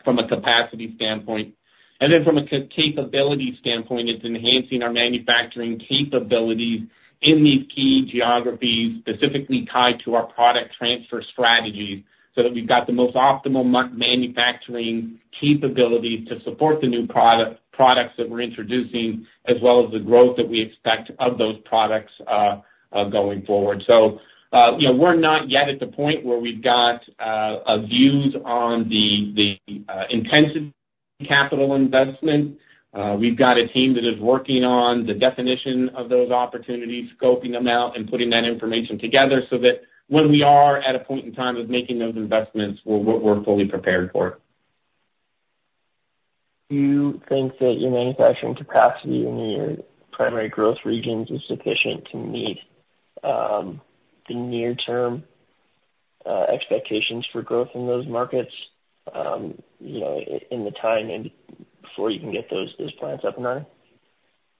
from a capacity standpoint. And then from a capability standpoint, it's enhancing our manufacturing capabilities in these key geographies, specifically tied to our product transfer strategy, so that we've got the most optimal manufacturing capabilities to support the new product, products that we're introducing, as well as the growth that we expect of those products going forward. So, you know, we're not yet at the point where we've got a views on the intensive capital investment. We've got a team that is working on the definition of those opportunities, scoping them out, and putting that information together so that when we are at a point in time of making those investments, we're fully prepared for it. Do you think that your manufacturing capacity in your primary growth regions is sufficient to meet the near-term expectations for growth in those markets, you know, in the time and before you can get those plants up and running?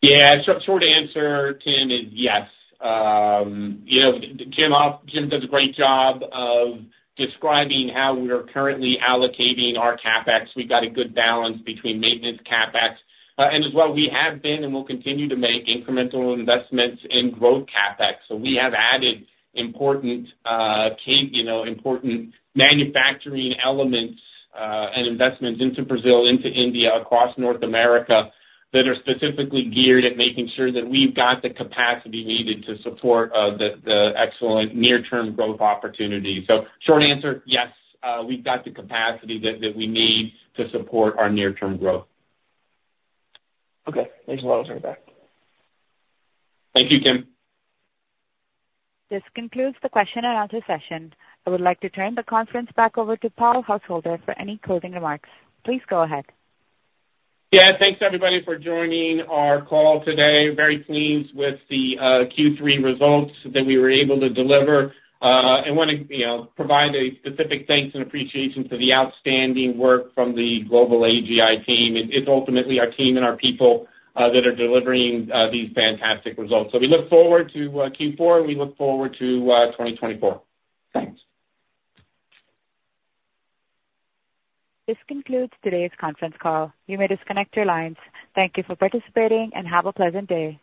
Yeah. So short answer, Tim, is yes. You know, Jim, Jim does a great job of describing how we are currently allocating our CapEx. We've got a good balance between maintenance CapEx, and as well, we have been and will continue to make incremental investments in growth CapEx. So we have added important, you know, important manufacturing elements, and investments into Brazil, into India, across North America, that are specifically geared at making sure that we've got the capacity needed to support, the, the excellent near-term growth opportunities. So short answer, yes, we've got the capacity that, that we need to support our near-term growth. Okay. Thanks a lot. I'll turn it back. Thank you, Tim. This concludes the question and answer session. I would like to turn the conference back over to Paul Householder for any closing remarks. Please go ahead. Yeah. Thanks, everybody, for joining our call today. Very pleased with the Q3 results that we were able to deliver, and wanna, you know, provide a specific thanks and appreciation to the outstanding work from the global AGI team. It, it's ultimately our team and our people that are delivering these fantastic results. So we look forward to Q4, and we look forward to 2024. Thanks. This concludes today's conference call. You may disconnect your lines. Thank you for participating, and have a pleasant day.